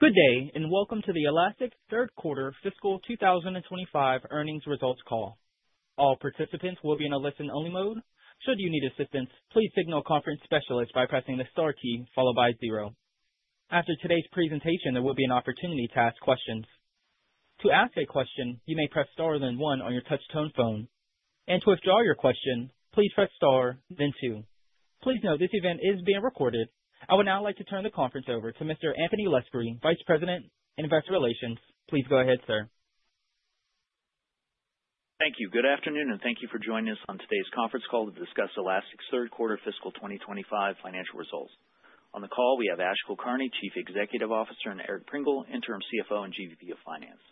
Good day, and welcome to the Elastic Third Quarter Fiscal 2025 earnings results call. All participants will be in a listen-only mode. Should you need assistance, please signal conference specialist by pressing the star key followed by zero. After today's presentation, there will be an opportunity to ask questions. To ask a question, you may press star then one on your touch-tone phone. And to withdraw your question, please press star then two. Please note this event is being recorded. I would now like to turn the conference over to Mr. Anthony Luscri, Vice President, Investor Relations. Please go ahead, sir. Thank you. Good afternoon, and thank you for joining us on today's conference call to discuss Elastic's Third Quarter Fiscal 2025 financial results. On the call, we have Ash Kulkarni, Chief Executive Officer, and Eric Prengel, Interim CFO and GVP of Finance.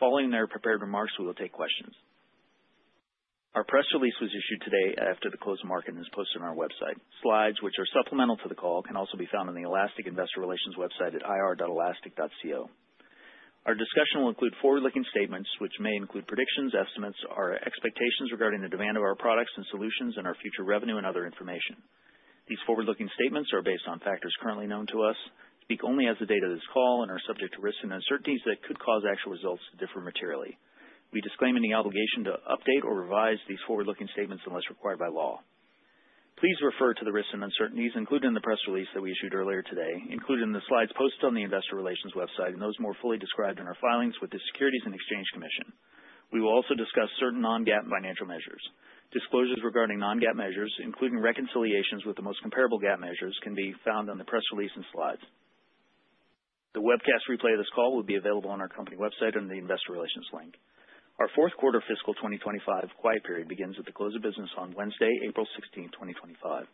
Following their prepared remarks, we will take questions. Our press release was issued today after the closing market and is posted on our website. Slides, which are supplemental to the call, can also be found on the Elastic Investor Relations website at ir.elastic.co. Our discussion will include forward-looking statements, which may include predictions, estimates, our expectations regarding the demand of our products and solutions, and our future revenue and other information. These forward-looking statements are based on factors currently known to us, speak only as of the date of this call, and are subject to risks and uncertainties that could cause actual results to differ materially. We disclaim any obligation to update or revise these forward-looking statements unless required by law. Please refer to the risks and uncertainties included in the press release that we issued earlier today, included in the slides posted on the Investor Relations website and those more fully described in our filings with the Securities and Exchange Commission. We will also discuss certain non-GAAP financial measures. Disclosures regarding non-GAAP measures, including reconciliations with the most comparable GAAP measures, can be found on the press release and slides. The webcast replay of this call will be available on our company website under the Investor Relations link. Our Fourth Quarter Fiscal 2025 quiet period begins with the close of business on Wednesday, April 16, 2025.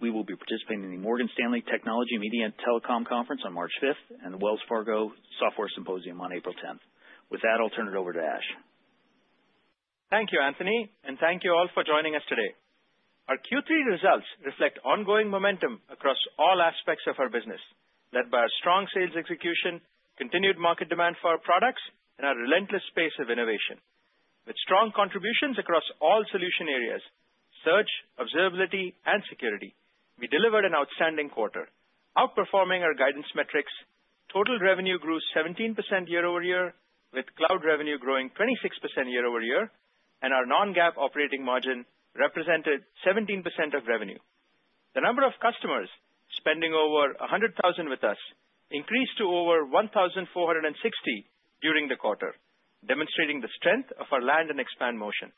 We will be participating in the Morgan Stanley Technology Media and Telecom Conference on March 5th and the Wells Fargo Software Symposium on April 10th. With that, I'll turn it over to Ash. Thank you, Anthony, and thank you all for joining us today. Our Q3 results reflect ongoing momentum across all aspects of our business, led by our strong sales execution, continued market demand for our products, and our relentless pace of innovation. With strong contributions across all solution areas, search, observability, and security, we delivered an outstanding quarter, outperforming our guidance metrics. Total revenue grew 17% year over year, with cloud revenue growing 26% year over year, and our non-GAAP operating margin represented 17% of revenue. The number of customers spending over $100,000 with us increased to over 1,460 during the quarter, demonstrating the strength of our land and expand motion.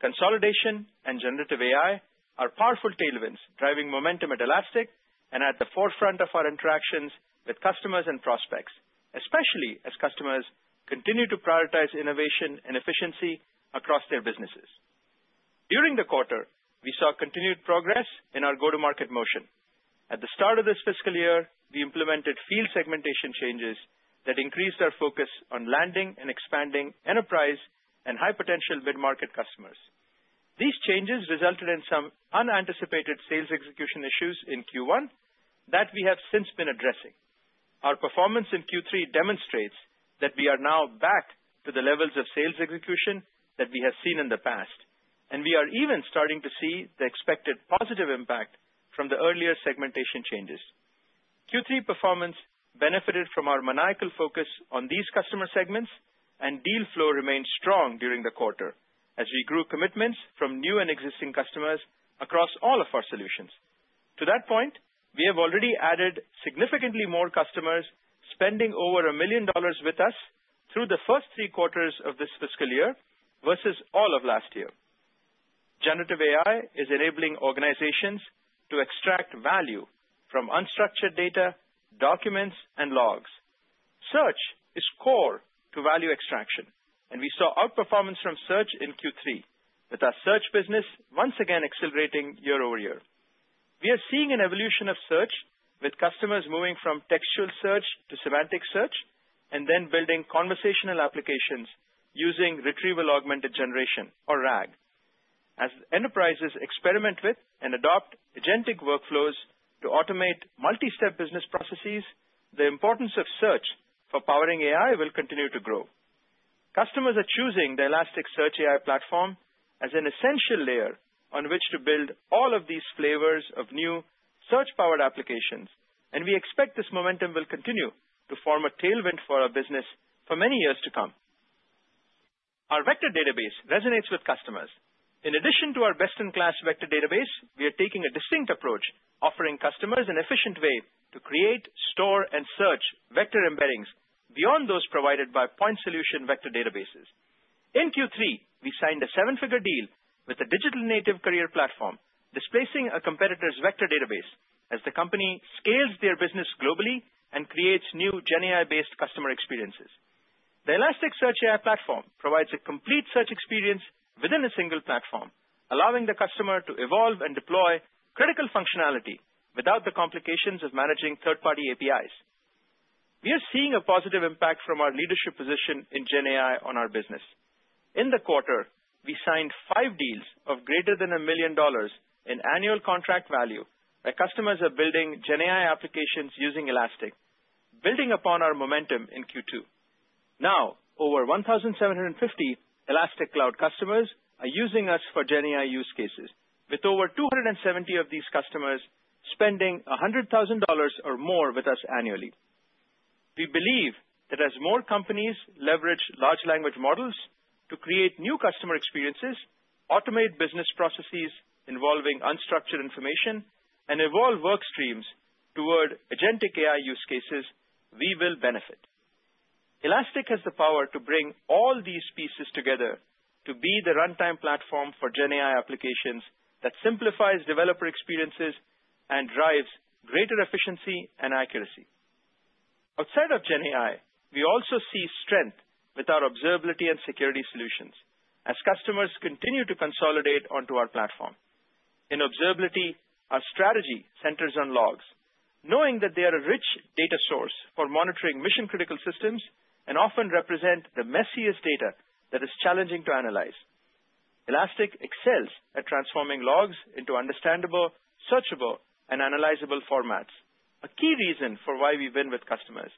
Consolidation and generative AI are powerful tailwinds driving momentum at Elastic and at the forefront of our interactions with customers and prospects, especially as customers continue to prioritize innovation and efficiency across their businesses. During the quarter, we saw continued progress in our go-to-market motion. At the start of this fiscal year, we implemented field segmentation changes that increased our focus on landing and expanding enterprise and high-potential mid-market customers. These changes resulted in some unanticipated sales execution issues in Q1 that we have since been addressing. Our performance in Q3 demonstrates that we are now back to the levels of sales execution that we have seen in the past, and we are even starting to see the expected positive impact from the earlier segmentation changes. Q3 performance benefited from our maniacal focus on these customer segments, and deal flow remained strong during the quarter as we grew commitments from new and existing customers across all of our solutions. To that point, we have already added significantly more customers spending over $1 million with us through the first three quarters of this fiscal year versus all of last year. Generative AI is enabling organizations to extract value from unstructured data, documents, and logs. Search is core to value extraction, and we saw outperformance from search in Q3, with our search business once again accelerating year over year. We are seeing an evolution of search, with customers moving from textual search to semantic search, and then building conversational applications using retrieval augmented generation, or RAG. As enterprises experiment with and adopt agentic workflows to automate multi-step business processes, the importance of search for powering AI will continue to grow. Customers are choosing the Elasticsearch AI Platform as an essential layer on which to build all of these flavors of new search-powered applications, and we expect this momentum will continue to form a tailwind for our business for many years to come. Our vector database resonates with customers. In addition to our best-in-class vector database, we are taking a distinct approach, offering customers an efficient way to create, store, and search vector embeddings beyond those provided by point solution vector databases. In Q3, we signed a seven-figure deal with a digital native career platform, displacing a competitor's vector database as the company scales their business globally and creates new GenAI-based customer experiences. The Elasticsearch AI Platform provides a complete search experience within a single platform, allowing the customer to evolve and deploy critical functionality without the complications of managing third-party APIs. We are seeing a positive impact from our leadership position in GenAI on our business. In the quarter, we signed five deals of greater than $1 million in annual contract value where customers are building GenAI applications using Elastic, building upon our momentum in Q2. Now, over 1,750 Elastic Cloud customers are using us for GenAI use cases, with over 270 of these customers spending $100,000 or more with us annually. We believe that as more companies leverage large language models to create new customer experiences, automate business processes involving unstructured information, and evolve work streams toward agentic AI use cases, we will benefit. Elastic has the power to bring all these pieces together to be the runtime platform for GenAI applications that simplifies developer experiences and drives greater efficiency and accuracy. Outside of GenAI, we also see strength with our observability and security solutions as customers continue to consolidate onto our platform. In observability, our strategy centers on logs, knowing that they are a rich data source for monitoring mission-critical systems and often represent the messiest data that is challenging to analyze. Elastic excels at transforming logs into understandable, searchable, and analyzable formats, a key reason for why we win with customers.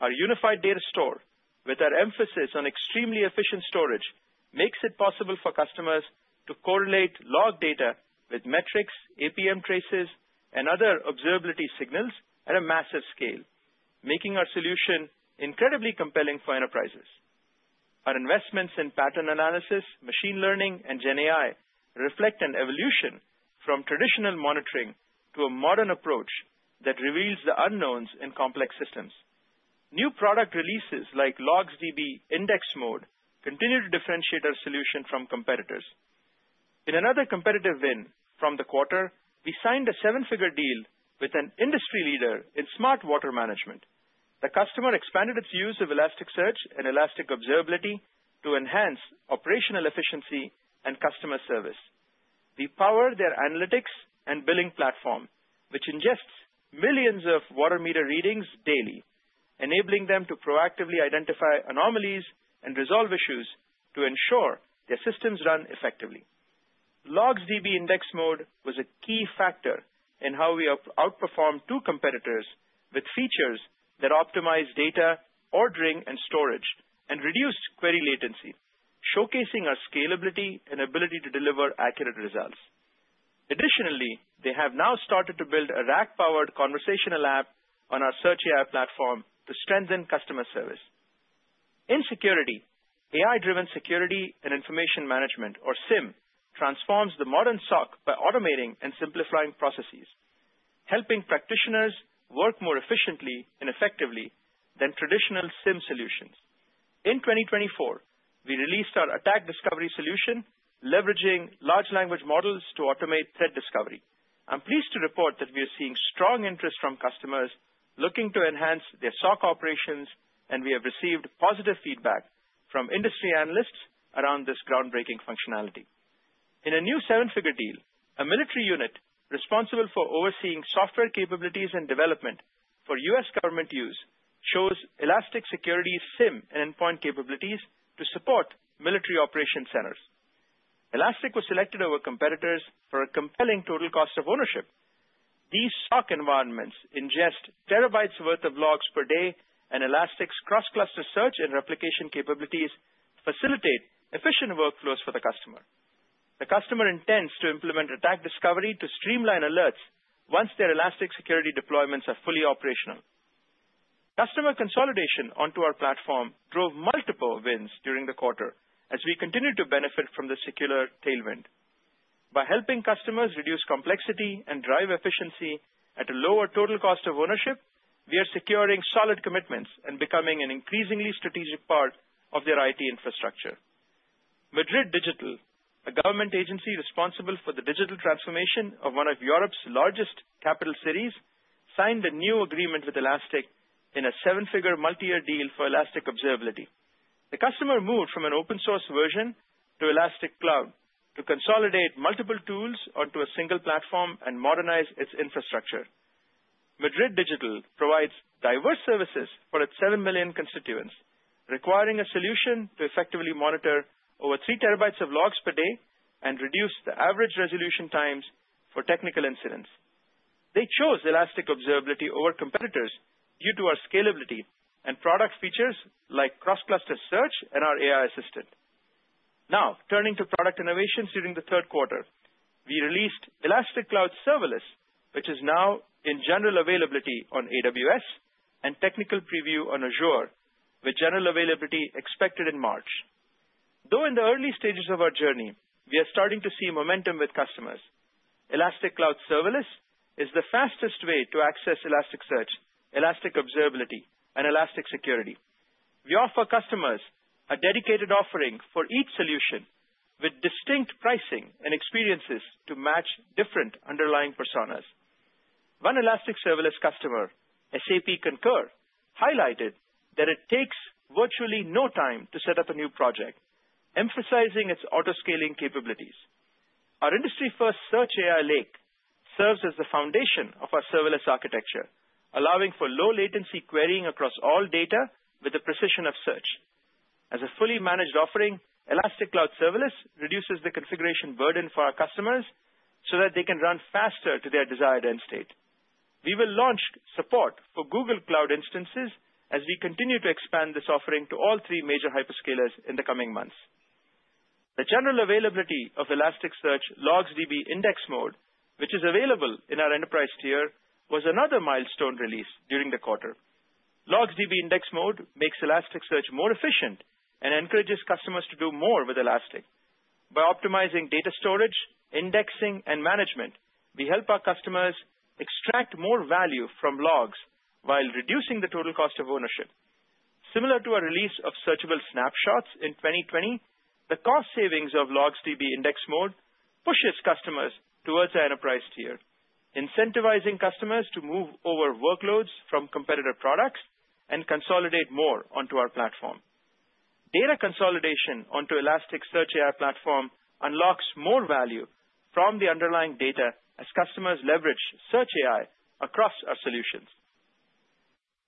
Our unified data store, with our emphasis on extremely efficient storage, makes it possible for customers to correlate log data with metrics, APM traces, and other observability signals at a massive scale, making our solution incredibly compelling for enterprises. Our investments in pattern analysis, machine learning, and GenAI reflect an evolution from traditional monitoring to a modern approach that reveals the unknowns in complex systems. New product releases like LogsDB index mode continue to differentiate our solution from competitors. In another competitive win from the quarter, we signed a seven-figure deal with an industry leader in smart water management. The customer expanded its use of Elasticsearch and Elastic Observability to enhance operational efficiency and customer service. We power their analytics and billing platform, which ingests millions of water meter readings daily, enabling them to proactively identify anomalies and resolve issues to ensure their systems run LogsDB index mode was a key factor in how we outperformed two competitors with features that optimize data ordering and storage and reduced query latency, showcasing our scalability and ability to deliver accurate results. Additionally, they have now started to build a RAG-powered conversational app on our Search AI platform to strengthen customer service. In security, AI-driven security information and event management, or SIEM, transforms the modern SOC by automating and simplifying processes, helping practitioners work more efficiently and effectively than traditional SIEM solutions. In 2024, we released our Attack Discovery solution, leveraging large language models to automate threat discovery. I'm pleased to report that we are seeing strong interest from customers looking to enhance their SOC operations, and we have received positive feedback from industry analysts around this groundbreaking functionality. In a new seven-figure deal, a military unit responsible for overseeing software capabilities and development for U.S. government use uses Elastic Security SIEM and endpoint capabilities to support military operation centers. Elastic was selected over competitors for a compelling total cost of ownership. These SOC environments ingest terabytes' worth of logs per day, and Elastic's cross-cluster search and replication capabilities facilitate efficient workflows for the customer. The customer intends to implement Attack Discovery to streamline alerts once their Elastic Security deployments are fully operational. Customer consolidation onto our platform drove multiple wins during the quarter as we continued to benefit from the secular tailwind. By helping customers reduce complexity and drive efficiency at a lower total cost of ownership, we are securing solid commitments and becoming an increasingly strategic part of their IT infrastructure. Madrid Digital, a government agency responsible for the digital transformation of one of Europe's largest capital cities, signed a new agreement with Elastic in a seven-figure multi-year deal for Elastic Observability. The customer moved from an open-source version to Elastic Cloud to consolidate multiple tools onto a single platform and modernize its infrastructure. Madrid Digital provides diverse services for its seven million constituents, requiring a solution to effectively monitor over three terabytes of logs per day and reduce the average resolution times for technical incidents. They chose Elastic Observability over competitors due to our scalability and product features like cross-cluster search and our AI assistant. Now, turning to product innovations during the third quarter, we released Elastic Cloud Serverless, which is now in general availability on AWS and technical preview on Azure, with general availability expected in March. Though in the early stages of our journey, we are starting to see momentum with customers. Elastic Cloud Serverless is the fastest way to access Elasticsearch, Elastic Observability, and Elastic Security. We offer customers a dedicated offering for each solution with distinct pricing and experiences to match different underlying personas. One Elastic Serverless customer, SAP Concur, highlighted that it takes virtually no time to set up a new project, emphasizing its autoscaling capabilities. Our industry-first Search AI Lake serves as the foundation of our serverless architecture, allowing for low-latency querying across all data with the precision of search. As a fully managed offering, Elastic Cloud Serverless reduces the configuration burden for our customers so that they can run faster to their desired end state. We will launch support for Google Cloud instances as we continue to expand this offering to all three major hyperscalers in the coming months. The general availability of LogsDB index mode, which is available in our enterprise tier, was another milestone release during the LogsDB index mode makes Elasticsearch more efficient and encourages customers to do more with Elastic. By optimizing data storage, indexing, and management, we help our customers extract more value from logs while reducing the total cost of ownership. Similar to our release of Searchable Snapshots in 2020, the cost savings LogsDB index mode pushes customers towards our enterprise tier, incentivizing customers to move over workloads from competitor products and consolidate more onto our platform. Data consolidation onto Elasticsearch AI platform unlocks more value from the underlying data as customers leverage Search AI across our solutions.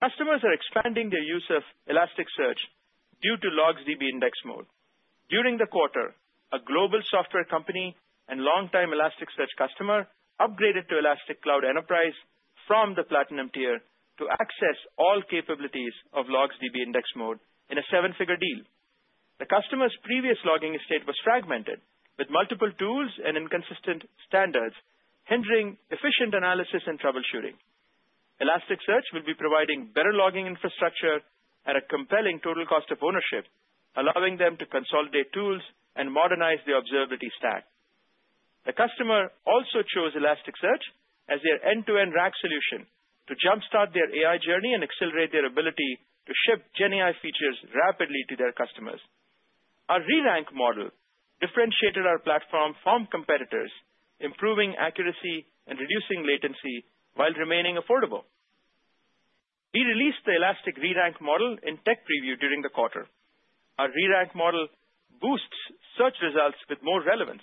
Customers are expanding their use of Elasticsearch due LogsDB index mode. during the quarter, a global software company and longtime Elasticsearch customer upgraded to Elastic Cloud Enterprise from the Platinum tier to access all capabilities LogsDB index mode in a seven-figure deal. The customer's previous logging estate was fragmented, with multiple tools and inconsistent standards hindering efficient analysis and troubleshooting. Elasticsearch will be providing better logging infrastructure at a compelling total cost of ownership, allowing them to consolidate tools and modernize the observability stack. The customer also chose Elasticsearch as their end-to-end RAG solution to jump-start their AI journey and accelerate their ability to ship GenAI features rapidly to their customers. Our Rerank model differentiated our platform from competitors, improving accuracy and reducing latency while remaining affordable. We released the Elastic Rerank model in tech preview during the quarter. Our Rerank model boosts search results with more relevance.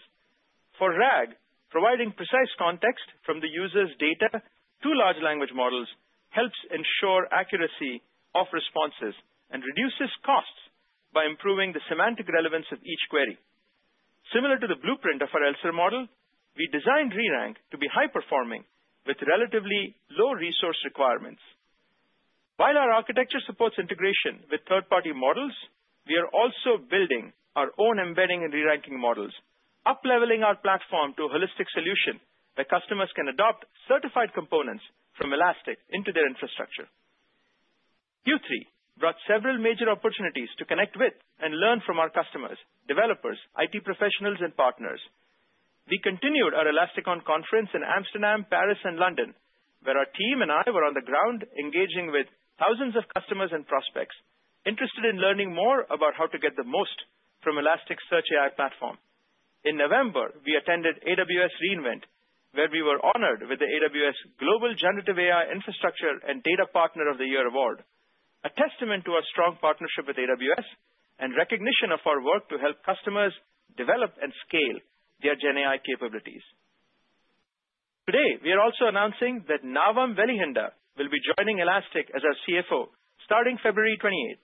For RAG, providing precise context from the user's data to large language models helps ensure accuracy of responses and reduces costs by improving the semantic relevance of each query. Similar to the blueprint of our ELSER model, we designed Rerank to be high-performing with relatively low resource requirements. While our architecture supports integration with third-party models, we are also building our own embedding and Reranking models, up-leveling our platform to a holistic solution where customers can adopt certified components from Elastic into their infrastructure. Q3 brought several major opportunities to connect with and learn from our customers, developers, IT professionals, and partners. We continued our ElasticON conference in Amsterdam, Paris, and London, where our team and I were on the ground engaging with thousands of customers and prospects interested in learning more about how to get the most from Elasticsearch AI Platform. In November, we attended AWS re:Invent, where we were honored with the AWS Global Generative AI Infrastructure and Data Partner of the Year award, a testament to our strong partnership with AWS and recognition of our work to help customers develop and scale their GenAI capabilities. Today, we are also announcing that Navam Welihinda will be joining Elastic as our CFO starting February 28.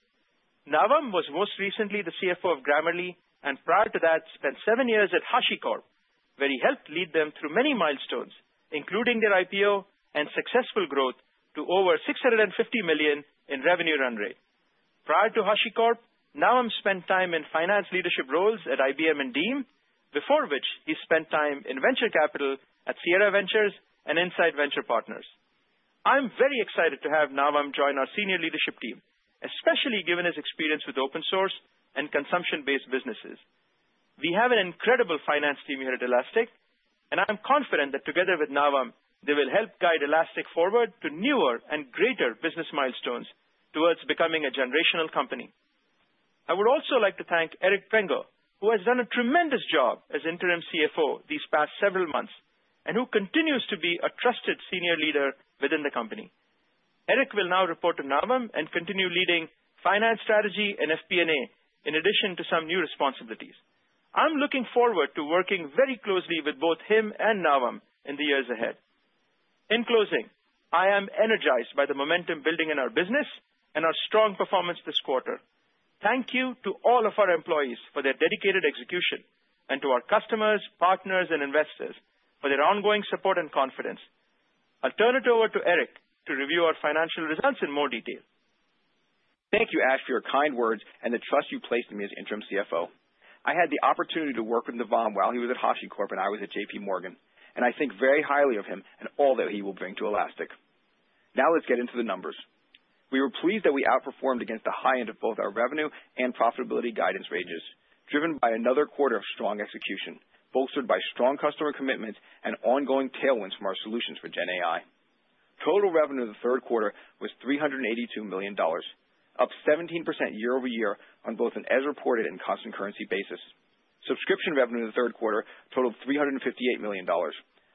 Navam was most recently the CFO of Grammarly, and prior to that, spent seven years at HashiCorp, where he helped lead them through many milestones, including their IPO and successful growth to over $650 million in revenue run rate. Prior to HashiCorp, Navam spent time in finance leadership roles at IBM and Diem, before which he spent time in venture capital at Sierra Ventures and Insight Venture Partners. I'm very excited to have Navam join our senior leadership team, especially given his experience with open-source and consumption-based businesses. We have an incredible finance team here at Elastic, and I'm confident that together with Navam, they will help guide Elastic forward to newer and greater business milestones towards becoming a generational company. I would also like to thank Eric Prengel, who has done a tremendous job as Interim CFO these past several months and who continues to be a trusted senior leader within the company. Eric will now report to Navam and continue leading finance strategy and FP&A in addition to some new responsibilities. I'm looking forward to working very closely with both him and Navam in the years ahead. In closing, I am energized by the momentum building in our business and our strong performance this quarter. Thank you to all of our employees for their dedicated execution and to our customers, partners, and investors for their ongoing support and confidence. I'll turn it over to Eric to review our financial results in more detail. Thank you, Ash, for your kind words and the trust you placed in me as Interim CFO. I had the opportunity to work with Navam while he was at HashiCorp, and I was at JPMorgan, and I think very highly of him and all that he will bring to Elastic. Now let's get into the numbers. We were pleased that we outperformed against the high end of both our revenue and profitability guidance ranges, driven by another quarter of strong execution bolstered by strong customer commitments and ongoing tailwinds from our solutions for GenAI. Total revenue in the third quarter was $382 million, up 17% year over year on both an as-reported and constant-currency basis. Subscription revenue in the third quarter totaled $358 million,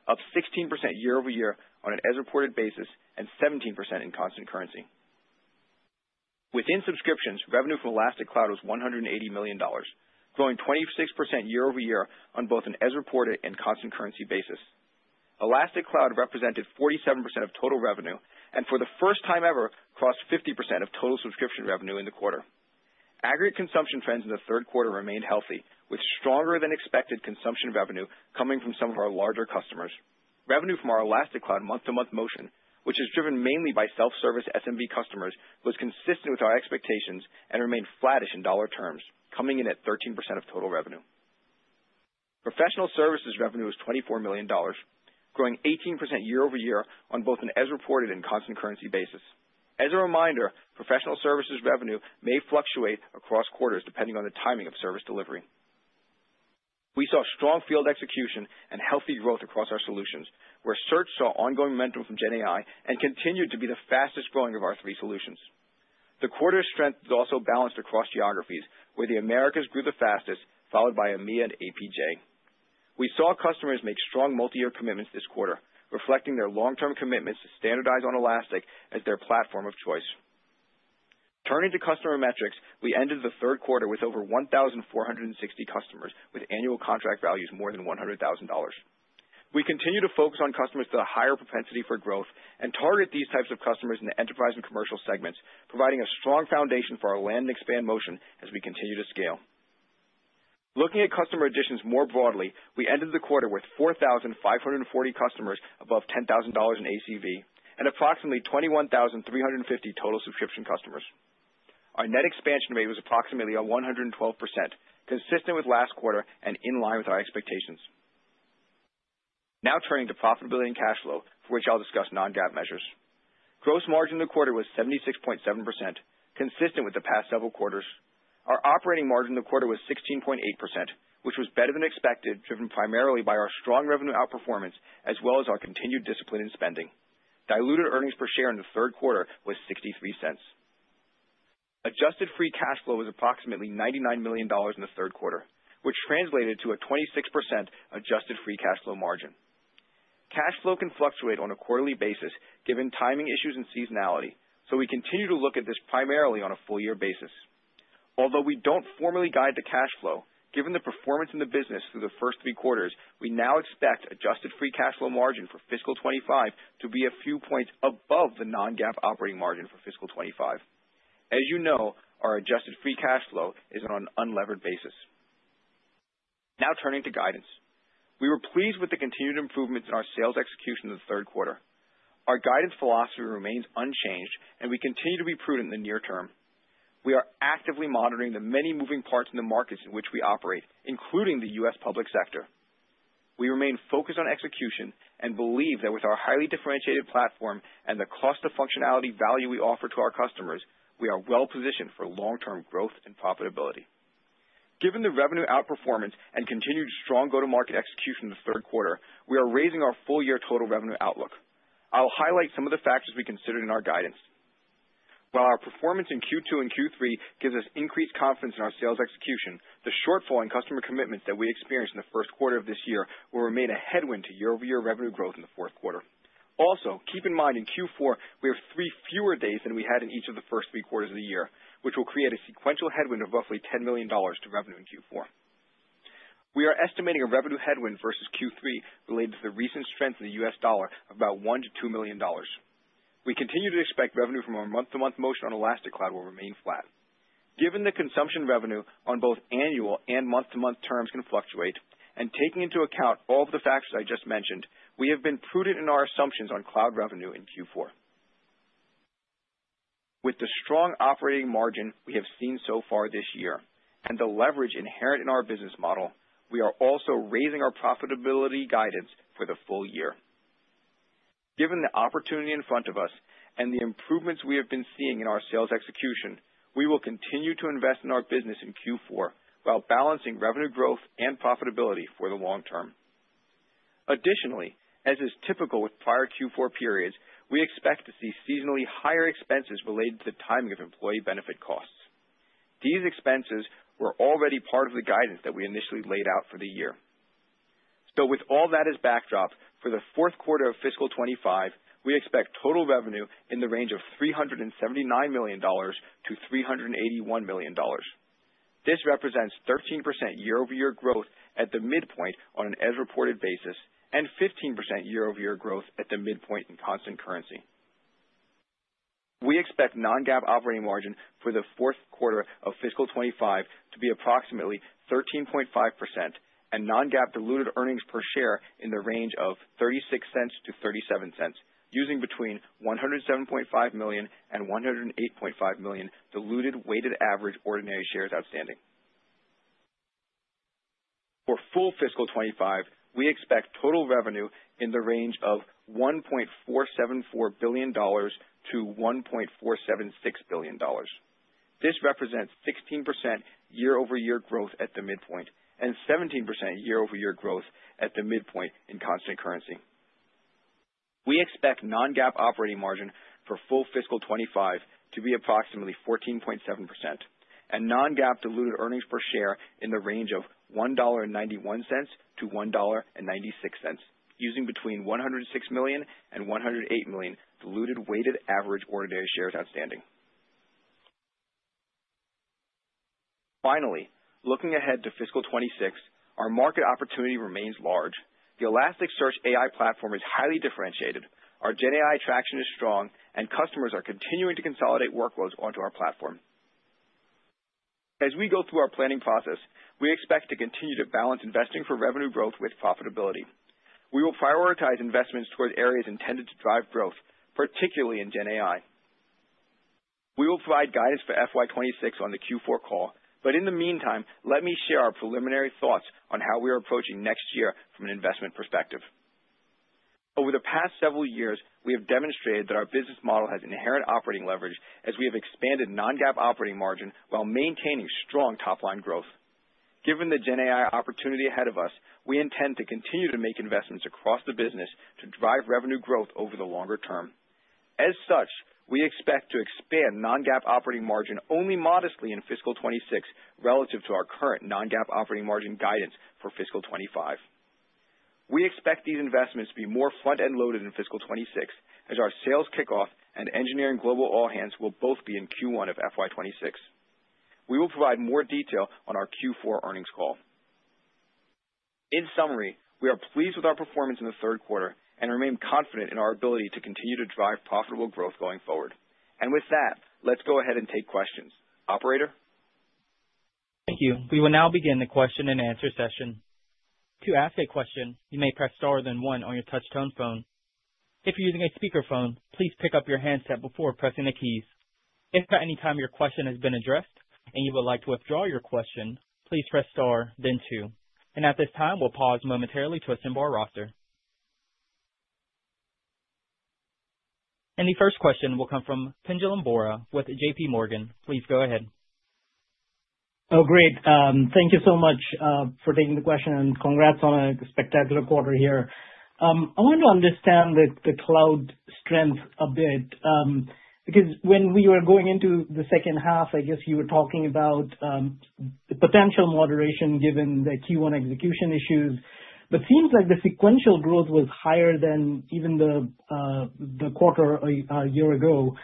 up 16% year over year on an as-reported basis and 17% in constant currency. Within subscriptions, revenue from Elastic Cloud was $180 million, growing 26% year over year on both an as-reported and constant-currency basis. Elastic Cloud represented 47% of total revenue and for the first time ever crossed 50% of total subscription revenue in the quarter. Aggregate consumption trends in the third quarter remained healthy, with stronger-than-expected consumption revenue coming from some of our larger customers. Revenue from our Elastic Cloud month-to-month motion, which is driven mainly by self-service SMB customers, was consistent with our expectations and remained flattish in dollar terms, coming in at 13% of total revenue. Professional services revenue was $24 million, growing 18% year over year on both an as-reported and constant-currency basis. As a reminder, professional services revenue may fluctuate across quarters depending on the timing of service delivery. We saw strong field execution and healthy growth across our solutions, where search saw ongoing momentum from GenAI and continued to be the fastest growing of our three solutions. The quarter strength was also balanced across geographies, where the Americas grew the fastest, followed by EMEA and APJ. We saw customers make strong multi-year commitments this quarter, reflecting their long-term commitments to standardize on Elastic as their platform of choice. Turning to customer metrics, we ended the third quarter with over 1,460 customers with annual contract values more than $100,000. We continue to focus on customers with a higher propensity for growth and target these types of customers in the enterprise and commercial segments, providing a strong foundation for our land and expand motion as we continue to scale. Looking at customer additions more broadly, we ended the quarter with 4,540 customers above $10,000 in ACV and approximately 21,350 total subscription customers. Our net expansion rate was approximately 112%, consistent with last quarter and in line with our expectations. Now turning to profitability and cash flow, for which I'll discuss non-GAAP measures. Gross margin in the quarter was 76.7%, consistent with the past several quarters. Our operating margin in the quarter was 16.8%, which was better than expected, driven primarily by our strong revenue outperformance as well as our continued discipline in spending. Diluted earnings per share in the third quarter was $0.63. Adjusted free cash flow was approximately $99 million in the third quarter, which translated to a 26% adjusted free cash flow margin. Cash flow can fluctuate on a quarterly basis given timing issues and seasonality, so we continue to look at this primarily on a full-year basis. Although we don't formally guide the cash flow, given the performance in the business through the first three quarters, we now expect adjusted free cash flow margin for fiscal 2025 to be a few points above the non-GAAP operating margin for fiscal 2025. As you know, our adjusted free cash flow is on an unlevered basis. Now turning to guidance. We were pleased with the continued improvements in our sales execution in the third quarter. Our guidance philosophy remains unchanged, and we continue to be prudent in the near term. We are actively monitoring the many moving parts in the markets in which we operate, including the U.S. public sector. We remain focused on execution and believe that with our highly differentiated platform and the cost-to-functionality value we offer to our customers, we are well-positioned for long-term growth and profitability. Given the revenue outperformance and continued strong go-to-market execution in the third quarter, we are raising our full-year total revenue outlook. I'll highlight some of the factors we considered in our guidance. While our performance in Q2 and Q3 gives us increased confidence in our sales execution, the shortfall in customer commitments that we experienced in the first quarter of this year will remain a headwind to year-over-year revenue growth in the fourth quarter. Also, keep in mind in Q4, we have three fewer days than we had in each of the first three quarters of the year, which will create a sequential headwind of roughly $10 million to revenue in Q4. We are estimating a revenue headwind versus Q3 related to the recent strength of the U.S. dollar of about $1-$2 million. We continue to expect revenue from our month-to-month motion on Elastic Cloud will remain flat. Given the consumption revenue on both annual and month-to-month terms can fluctuate, and taking into account all of the factors I just mentioned, we have been prudent in our assumptions on cloud revenue in Q4. With the strong operating margin we have seen so far this year and the leverage inherent in our business model, we are also raising our profitability guidance for the full year. Given the opportunity in front of us and the improvements we have been seeing in our sales execution, we will continue to invest in our business in Q4 while balancing revenue growth and profitability for the long term. Additionally, as is typical with prior Q4 periods, we expect to see seasonally higher expenses related to the timing of employee benefit costs. These expenses were already part of the guidance that we initially laid out for the year. With all that as backdrop, for the fourth quarter of fiscal '25, we expect total revenue in the range of $379 million-$381 million. This represents 13% year-over-year growth at the midpoint on an as-reported basis and 15% year-over-year growth at the midpoint in constant currency. We expect non-GAAP operating margin for the fourth quarter of fiscal '25 to be approximately 13.5% and non-GAAP diluted earnings per share in the range of $0.36-$0.37, using between 107.5 million and 108.5 million diluted weighted average ordinary shares outstanding. For full fiscal '25, we expect total revenue in the range of $1.474 billion-$1.476 billion. This represents 16% year-over-year growth at the midpoint and 17% year-over-year growth at the midpoint in constant currency. We expect non-GAAP operating margin for full fiscal 2025 to be approximately 14.7% and non-GAAP diluted earnings per share in the range of $1.91-$1.96, using between 106 million and 108 million diluted weighted average ordinary shares outstanding. Finally, looking ahead to fiscal 2026, our market opportunity remains large. The Elasticsearch AI platform is highly differentiated, our GenAI traction is strong, and customers are continuing to consolidate workloads onto our platform. As we go through our planning process, we expect to continue to balance investing for revenue growth with profitability. We will prioritize investments towards areas intended to drive growth, particularly in GenAI. We will provide guidance for FY26 on the Q4 call, but in the meantime, let me share our preliminary thoughts on how we are approaching next year from an investment perspective. Over the past several years, we have demonstrated that our business model has inherent operating leverage as we have expanded non-GAAP operating margin while maintaining strong top-line growth. Given the GenAI opportunity ahead of us, we intend to continue to make investments across the business to drive revenue growth over the longer term. As such, we expect to expand non-GAAP operating margin only modestly in fiscal 2026 relative to our current non-GAAP operating margin guidance for fiscal 2025. We expect these investments to be more front-end loaded in fiscal 2026 as our sales kickoff and engineering global all-hands will both be in Q1 of FY26. We will provide more detail on our Q4 earnings call. In summary, we are pleased with our performance in the third quarter and remain confident in our ability to continue to drive profitable growth going forward, and with that, let's go ahead and take questions. Operator. Thank you. We will now begin the question and answer session. To ask a question, you may press star then one on your touch-tone phone. If you're using a speakerphone, please pick up your handset before pressing the keys. If at any time your question has been addressed and you would like to withdraw your question, please press star, then two. And at this time, we'll pause momentarily to assemble our roster. And the first question will come from Pinjalim Bora with JPMorgan. Please go ahead. Oh, great. Thank you so much for taking the question, and congrats on a spectacular quarter here. I want to understand the cloud strength a bit because when we were going into the second half, I guess you were talking about the potential moderation given the Q1 execution issues. But it seems like the sequential growth was higher than even the quarter a year ago.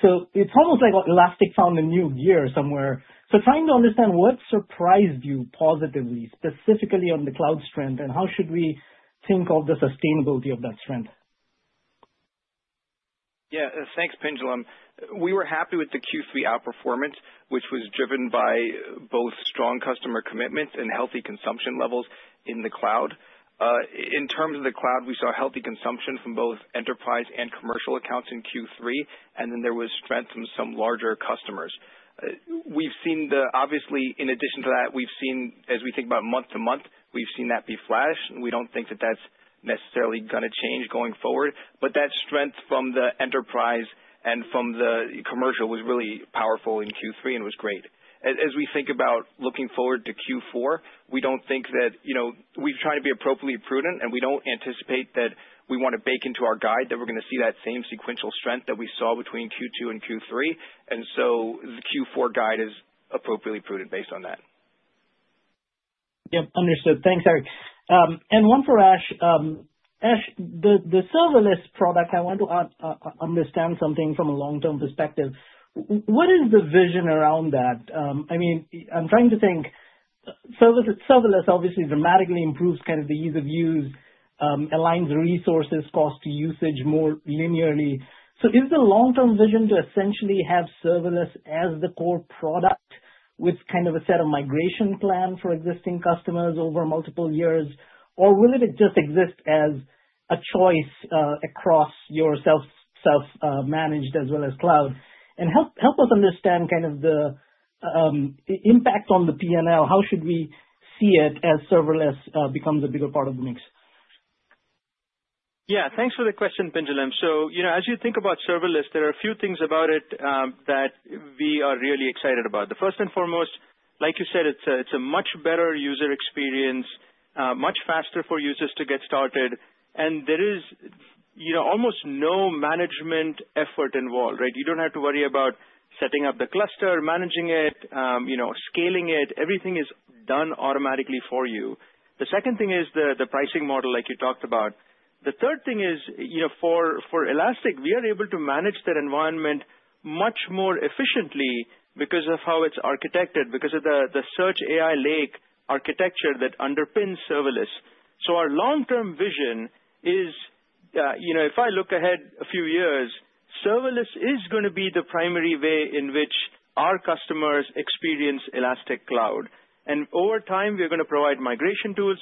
So it's almost like Elastic found a new gear somewhere. So trying to understand what surprised you positively, specifically on the cloud strength, and how should we think of the sustainability of that strength? Yeah. Thanks, Pinjalim. We were happy with the Q3 outperformance, which was driven by both strong customer commitments and healthy consumption levels in the cloud. In terms of the cloud, we saw healthy consumption from both enterprise and commercial accounts in Q3, and then there was strength from some larger customers. Obviously, in addition to that, as we think about month-to-month, we've seen that be flash. We don't think that that's necessarily going to change going forward, but that strength from the enterprise and from the commercial was really powerful in Q3 and was great. As we think about looking forward to Q4, we don't think that we've tried to be appropriately prudent, and we don't anticipate that we want to bake into our guide that we're going to see that same sequential strength that we saw between Q2 and Q3. And so the Q4 guide is appropriately prudent based on that. Yep. Understood. Thanks, Eric. And one for Ash. Ash, the serverless product, I want to understand something from a long-term perspective. What is the vision around that? I mean, I'm trying to think. Serverless obviously dramatically improves kind of the ease of use, aligns resources, cost to usage more linearly. So is the long-term vision to essentially have serverless as the core product with kind of a set of migration plans for existing customers over multiple years, or will it just exist as a choice across your self-managed as well as cloud? And help us understand kind of the impact on the P&L. How should we see it as serverless becomes a bigger part of the mix? Yeah. Thanks for the question, Pinjalim. So as you think about serverless, there are a few things about it that we are really excited about. The first and foremost, like you said, it's a much better user experience, much faster for users to get started, and there is almost no management effort involved, right? You don't have to worry about setting up the cluster, managing it, scaling it. Everything is done automatically for you. The second thing is the pricing model, like you talked about. The third thing is for Elastic, we are able to manage that environment much more efficiently because of how it's architected, because of the Search AI Lake architecture that underpins serverless. Our long-term vision is, if I look ahead a few years, serverless is going to be the primary way in which our customers experience Elastic Cloud. And over time, we're going to provide migration tools.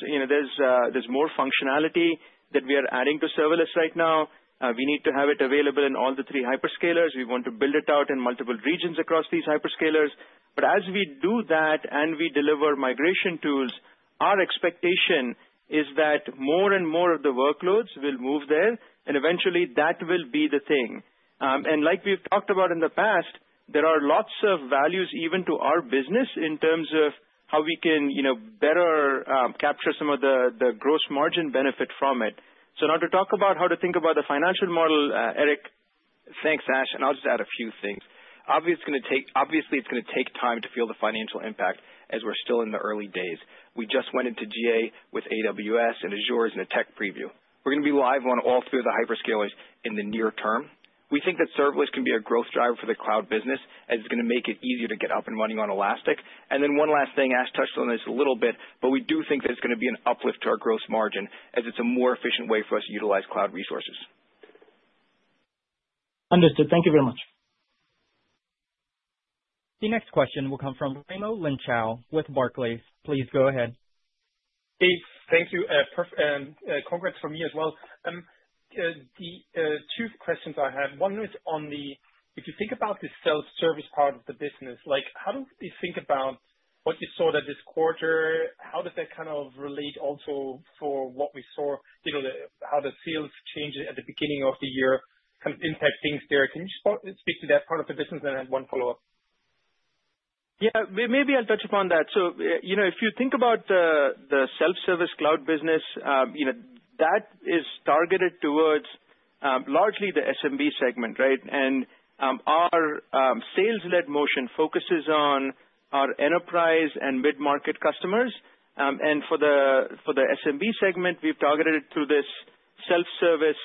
There's more functionality that we are adding to serverless right now. We need to have it available in all the three hyperscalers. We want to build it out in multiple regions across these hyperscalers. But as we do that and we deliver migration tools, our expectation is that more and more of the workloads will move there, and eventually, that will be the thing. And like we've talked about in the past, there are lots of values even to our business in terms of how we can better capture some of the gross margin benefit from it. So now to talk about how to think about the financial model, Eric. Thanks, Ash. I'll just add a few things. Obviously, it's going to take time to feel the financial impact as we're still in the early days. We just went into GA with AWS and Azure as a tech preview. We're going to be live on all three of the hyperscalers in the near term. We think that serverless can be a growth driver for the cloud business as it's going to make it easier to get up and running on Elastic. And then one last thing, Ash touched on this a little bit, but we do think there's going to be an uplift to our gross margin as it's a more efficient way for us to utilize cloud resources. Understood. Thank you very much. The next question will come from Raimo Lenschow with Barclays. Please go ahead. Hey. Thank you. Congrats from me as well. The two questions I have, one is on the, if you think about the self-service part of the business, how do you think about what you saw this quarter? How does that kind of relate also for what we saw, how the sales changed at the beginning of the year, kind of impact things there? Can you speak to that part of the business? And I have one follow-up. Yeah. Maybe I'll touch upon that. So if you think about the self-service cloud business, that is targeted towards largely the SMB segment, right? And our sales-led motion focuses on our enterprise and mid-market customers. And for the SMB segment, we've targeted it through this self-service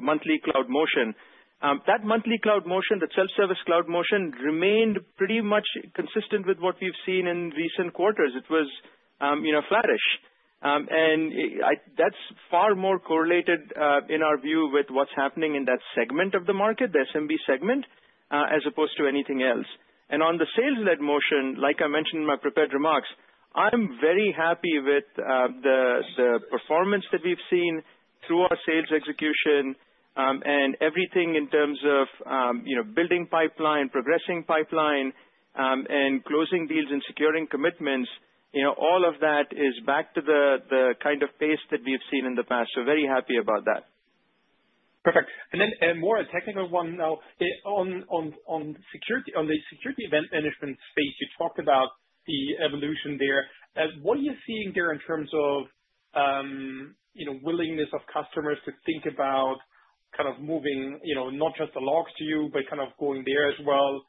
monthly cloud motion. That monthly cloud motion, that self-service cloud motion, remained pretty much consistent with what we've seen in recent quarters. It was flourishing. And that's far more correlated in our view with what's happening in that segment of the market, the SMB segment, as opposed to anything else. And on the sales-led motion, like I mentioned in my prepared remarks, I'm very happy with the performance that we've seen through our sales execution and everything in terms of building pipeline, progressing pipeline, and closing deals and securing commitments. All of that is back to the kind of pace that we've seen in the past. So very happy about that. Perfect. And then more a technical one now. On the security event management space, you talked about the evolution there. What are you seeing there in terms of willingness of customers to think about kind of moving not just the logs to you, but kind of going there as well?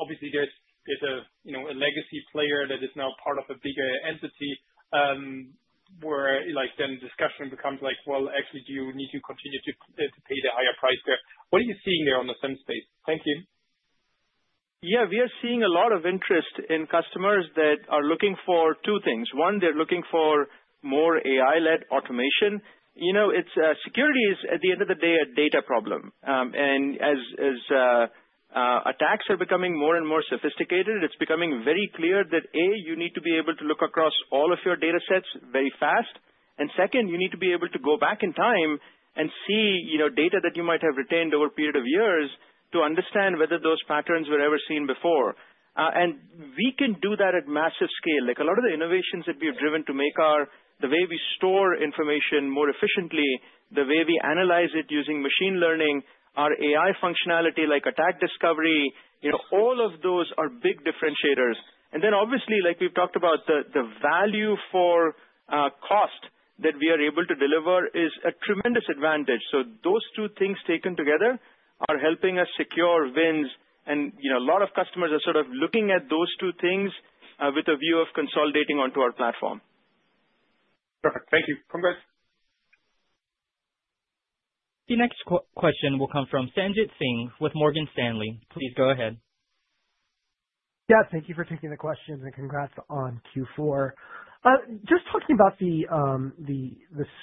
Obviously, there's a legacy player that is now part of a bigger entity where then discussion becomes like, "Well, actually, do you need to continue to pay the higher price there?" What are you seeing there on the SIEM space? Thank you. Yeah. We are seeing a lot of interest in customers that are looking for two things. One, they're looking for more AI-led automation. Security is, at the end of the day, a data problem. And as attacks are becoming more and more sophisticated, it's becoming very clear that, A, you need to be able to look across all of your datasets very fast. And second, you need to be able to go back in time and see data that you might have retained over a period of years to understand whether those patterns were ever seen before. And we can do that at massive scale. A lot of the innovations that we have driven to make the way we store information more efficiently, the way we analyze it using machine learning, our AI functionality like Attack Discovery, all of those are big differentiators. And then, obviously, like we've talked about, the value for cost that we are able to deliver is a tremendous advantage. So those two things taken together are helping us secure wins. And a lot of customers are sort of looking at those two things with a view of consolidating onto our platform. Perfect. Thank you. Congrats. The next question will come from Sanjit Singh with Morgan Stanley. Please go ahead. Yeah. Thank you for taking the question and congrats on Q4. Just talking about the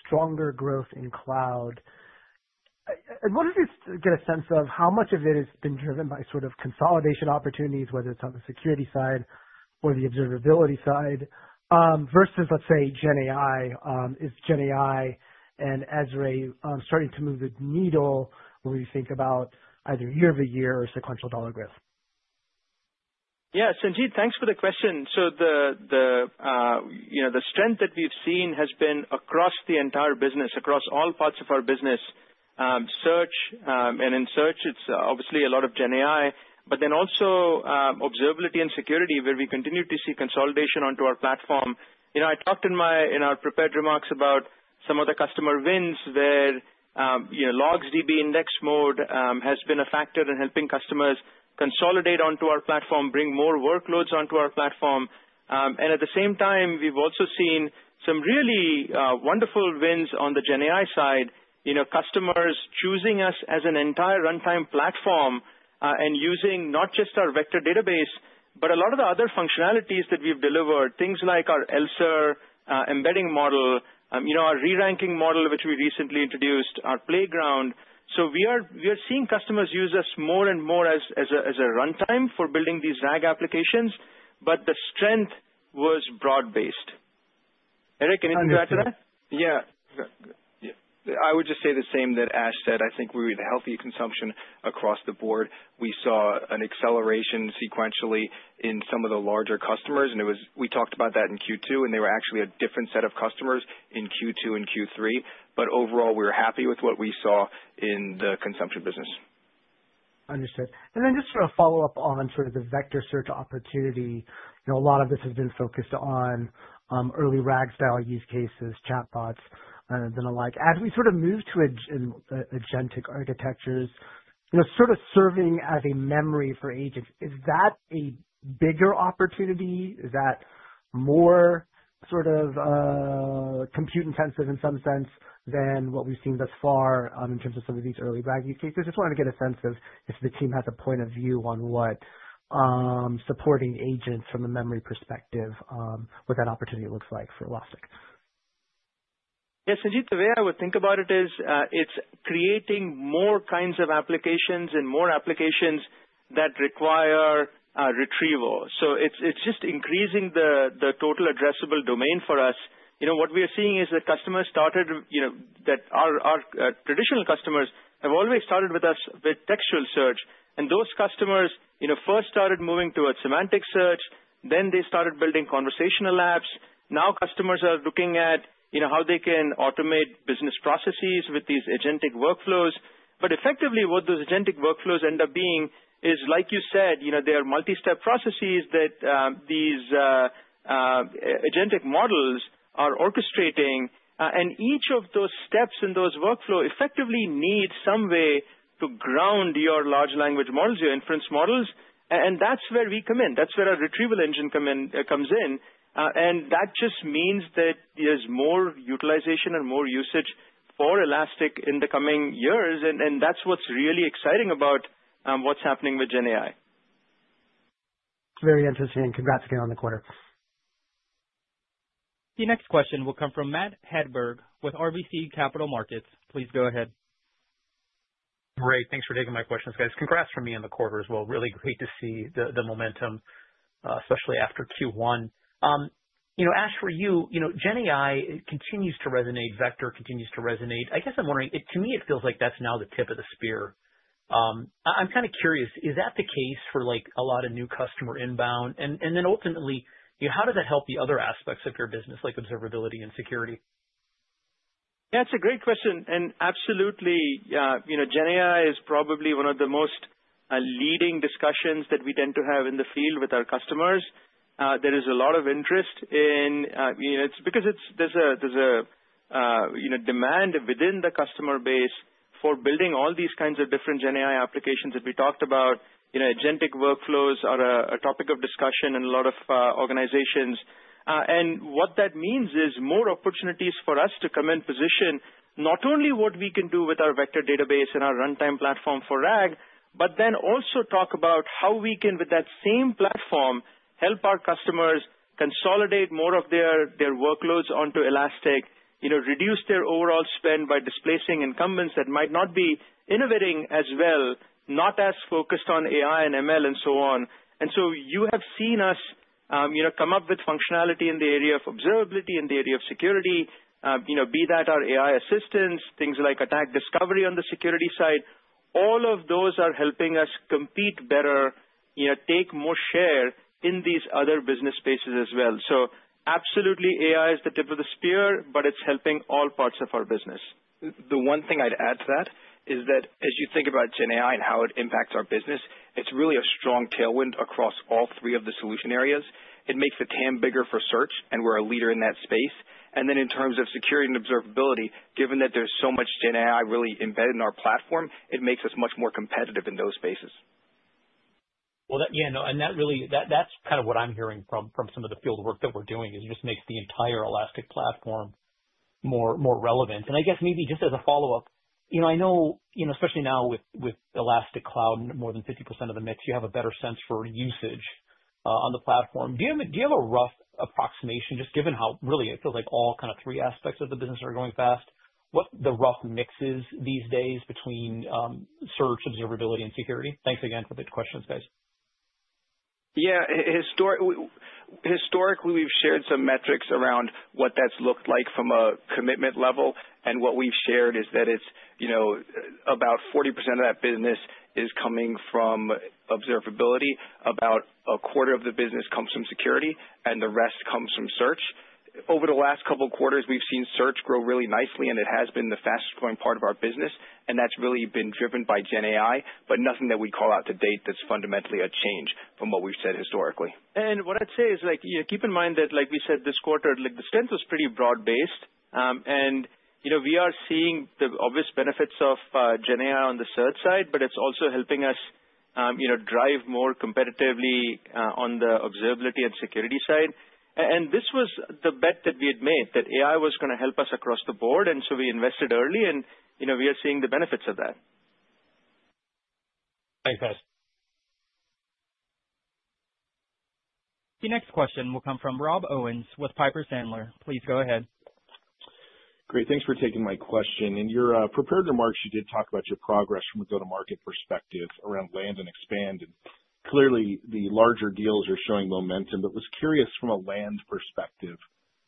stronger growth in cloud, I wonder if you get a sense of how much of it has been driven by sort of consolidation opportunities, whether it's on the security side or the observability side versus, let's say, GenAI. Is GenAI and ELSER starting to move the needle when we think about either year-over-year or sequential dollar growth? Yeah. Sanjit, thanks for the question. So the strength that we've seen has been across the entire business, across all parts of our business. Search, and in Search, it's obviously a lot of GenAI, but then also observability and security where we continue to see consolidation onto our platform. I talked in our prepared remarks about some of the customer wins where LogsDB index mode has been a factor in helping customers consolidate onto our platform, bring more workloads onto our platform. At the same time, we've also seen some really wonderful wins on the GenAI side, customers choosing us as an entire runtime platform and using not just our vector database, but a lot of the other functionalities that we've delivered, things like our ELSER embedding model, our re-ranking model, which we recently introduced, our Playground. We are seeing customers use us more and more as a runtime for building these RAG applications, but the strength was broad-based. Eric, anything to add to that? Yeah. I would just say the same that Ash said. I think with healthy consumption across the board, we saw an acceleration sequentially in some of the larger customers. We talked about that in Q2, and they were actually a different set of customers in Q2 and Q3. Overall, we were happy with what we saw in the consumption business. Understood. Just sort of follow-up on sort of the vector search opportunity. A lot of this has been focused on early RAG-style use cases, chatbots, and the like. As we sort of move to agentic architectures, sort of serving as a memory for agents, is that a bigger opportunity? Is that more sort of compute-intensive in some sense than what we've seen thus far in terms of some of these early RAG use cases? Just wanted to get a sense of if the team has a point of view on what supporting agents from a memory perspective, what that opportunity looks like for Elastic. Yeah. Sanjit, the way I would think about it is it's creating more kinds of applications and more applications that require retrieval. It's just increasing the total addressable domain for us. What we are seeing is that customers started that our traditional customers have always started with us with textual search. And those customers first started moving towards semantic search. Then they started building conversational apps. Now customers are looking at how they can automate business processes with these agentic workflows. But effectively, what those agentic workflows end up being is, like you said, they are multi-step processes that these agentic models are orchestrating. And each of those steps in those workflows effectively need some way to ground your large language models, your inference models. And that's where we come in. That's where our retrieval engine comes in. And that just means that there's more utilization and more usage for Elastic in the coming years. And that's what's really exciting about what's happening with GenAI. Very interesting. Congrats again on the quarter. The next question will come from Matt Hedberg with RBC Capital Markets. Please go ahead. Great. Thanks for taking my questions, guys. Congrats from me on the quarter as well. Really great to see the momentum, especially after Q1. Ash, for you, GenAI continues to resonate. Vector continues to resonate. I guess I'm wondering, to me, it feels like that's now the tip of the spear. I'm kind of curious, is that the case for a lot of new customer inbound? And then ultimately, how does that help the other aspects of your business, like observability and security? Yeah. It's a great question. And absolutely, GenAI is probably one of the most leading discussions that we tend to have in the field with our customers. There is a lot of interest in it. It's because there's a demand within the customer base for building all these kinds of different GenAI applications that we talked about. Agentic workflows are a topic of discussion in a lot of organizations. What that means is more opportunities for us to come in position, not only what we can do with our vector database and our runtime platform for RAG, but then also talk about how we can, with that same platform, help our customers consolidate more of their workloads onto Elastic, reduce their overall spend by displacing incumbents that might not be innovating as well, not as focused on AI and ML and so on. You have seen us come up with functionality in the area of observability, in the area of security, be that our AI assistants, things like Attack Discovery on the security side. All of those are helping us compete better, take more share in these other business spaces as well. So absolutely, AI is the tip of the spear, but it's helping all parts of our business. The one thing I'd add to that is that as you think about GenAI and how it impacts our business, it's really a strong tailwind across all three of the solution areas. It makes the TAM bigger for search, and we're a leader in that space. And then in terms of security and observability, given that there's so much GenAI really embedded in our platform, it makes us much more competitive in those spaces. Well, yeah. And that's kind of what I'm hearing from some of the fieldwork that we're doing is it just makes the entire Elastic platform more relevant. And I guess maybe just as a follow-up. I know especially now with Elastic Cloud, more than 50% of the mix, you have a better sense for usage on the platform. Do you have a rough approximation, just given how really it feels like all kind of three aspects of the business are going fast, what the rough mix is these days between search, observability, and security? Thanks again for the questions, guys. Yeah. Historically, we've shared some metrics around what that's looked like from a commitment level. And what we've shared is that it's about 40% of that business is coming from observability. About a quarter of the business comes from security, and the rest comes from search. Over the last couple of quarters, we've seen search grow really nicely, and it has been the fastest growing part of our business. And that's really been driven by GenAI, but nothing that we call out to date that's fundamentally a change from what we've said historically. And what I'd say is keep in mind that, like we said this quarter, the strength was pretty broad-based. And we are seeing the obvious benefits of GenAI on the search side, but it's also helping us drive more competitively on the observability and security side. And this was the bet that we had made that AI was going to help us across the board. And so we invested early, and we are seeing the benefits of that. Thanks, guys. The next question will come from Rob Owens with Piper Sandler. Please go ahead. Great. Thanks for taking my question. In your prepared remarks, you did talk about your progress from a go-to-market perspective around land and expand. And clearly, the larger deals are showing momentum. But I was curious, from a land perspective,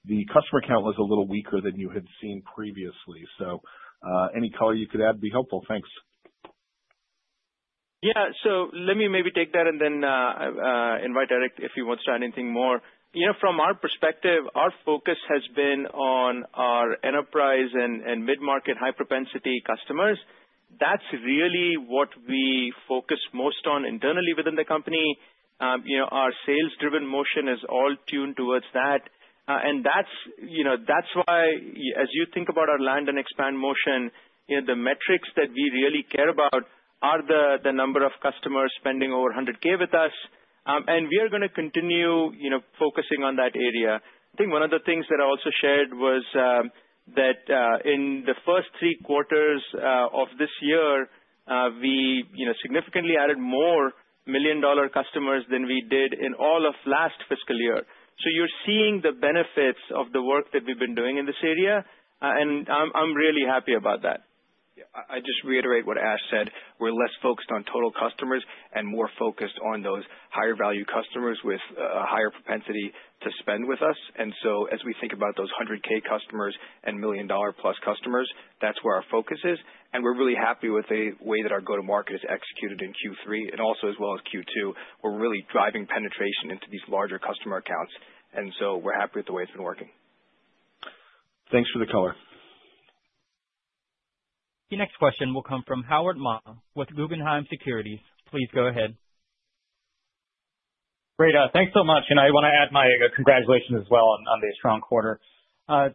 the customer count was a little weaker than you had seen previously. So any color you could add would be helpful. Thanks. Yeah. So let me maybe take that and then invite Eric if he wants to add anything more. From our perspective, our focus has been on our enterprise and mid-market high-propensity customers. That's really what we focus most on internally within the company. Our sales-driven motion is all tuned towards that. And that's why, as you think about our land and expand motion, the metrics that we really care about are the number of customers spending over 100K with us. And we are going to continue focusing on that area. I think one of the things that I also shared was that in the first three quarters of this year, we significantly added more million-dollar customers than we did in all of last fiscal year. So you're seeing the benefits of the work that we've been doing in this area. And I'm really happy about that. Yeah. I just reiterate what Ash said. We're less focused on total customers and more focused on those higher-value customers with a higher propensity to spend with us. And so as we think about those 100K customers and million-dollar-plus customers, that's where our focus is. And we're really happy with the way that our go-to-market is executed in Q3 and also as well as Q2. We're really driving penetration into these larger customer accounts. And so we're happy with the way it's been working. Thanks for the color. The next question will come from Howard Ma with Guggenheim Securities. Please go ahead. Great. Thanks so much. And I want to add my congratulations as well on the strong quarter. I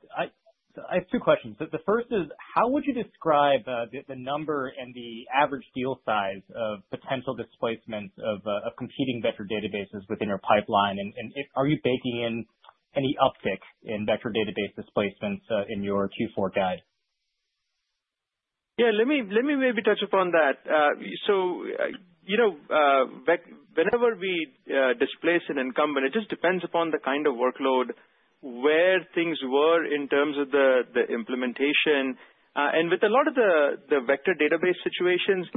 have two questions. The first is, how would you describe the number and the average deal size of potential displacement of competing vector databases within your pipeline? And are you baking in any uptick in vector database displacements in your Q4 guide? Yeah. Let me maybe touch upon that. So whenever we displace an incumbent, it just depends upon the kind of workload where things were in terms of the implementation. And with a lot of the vector database situations,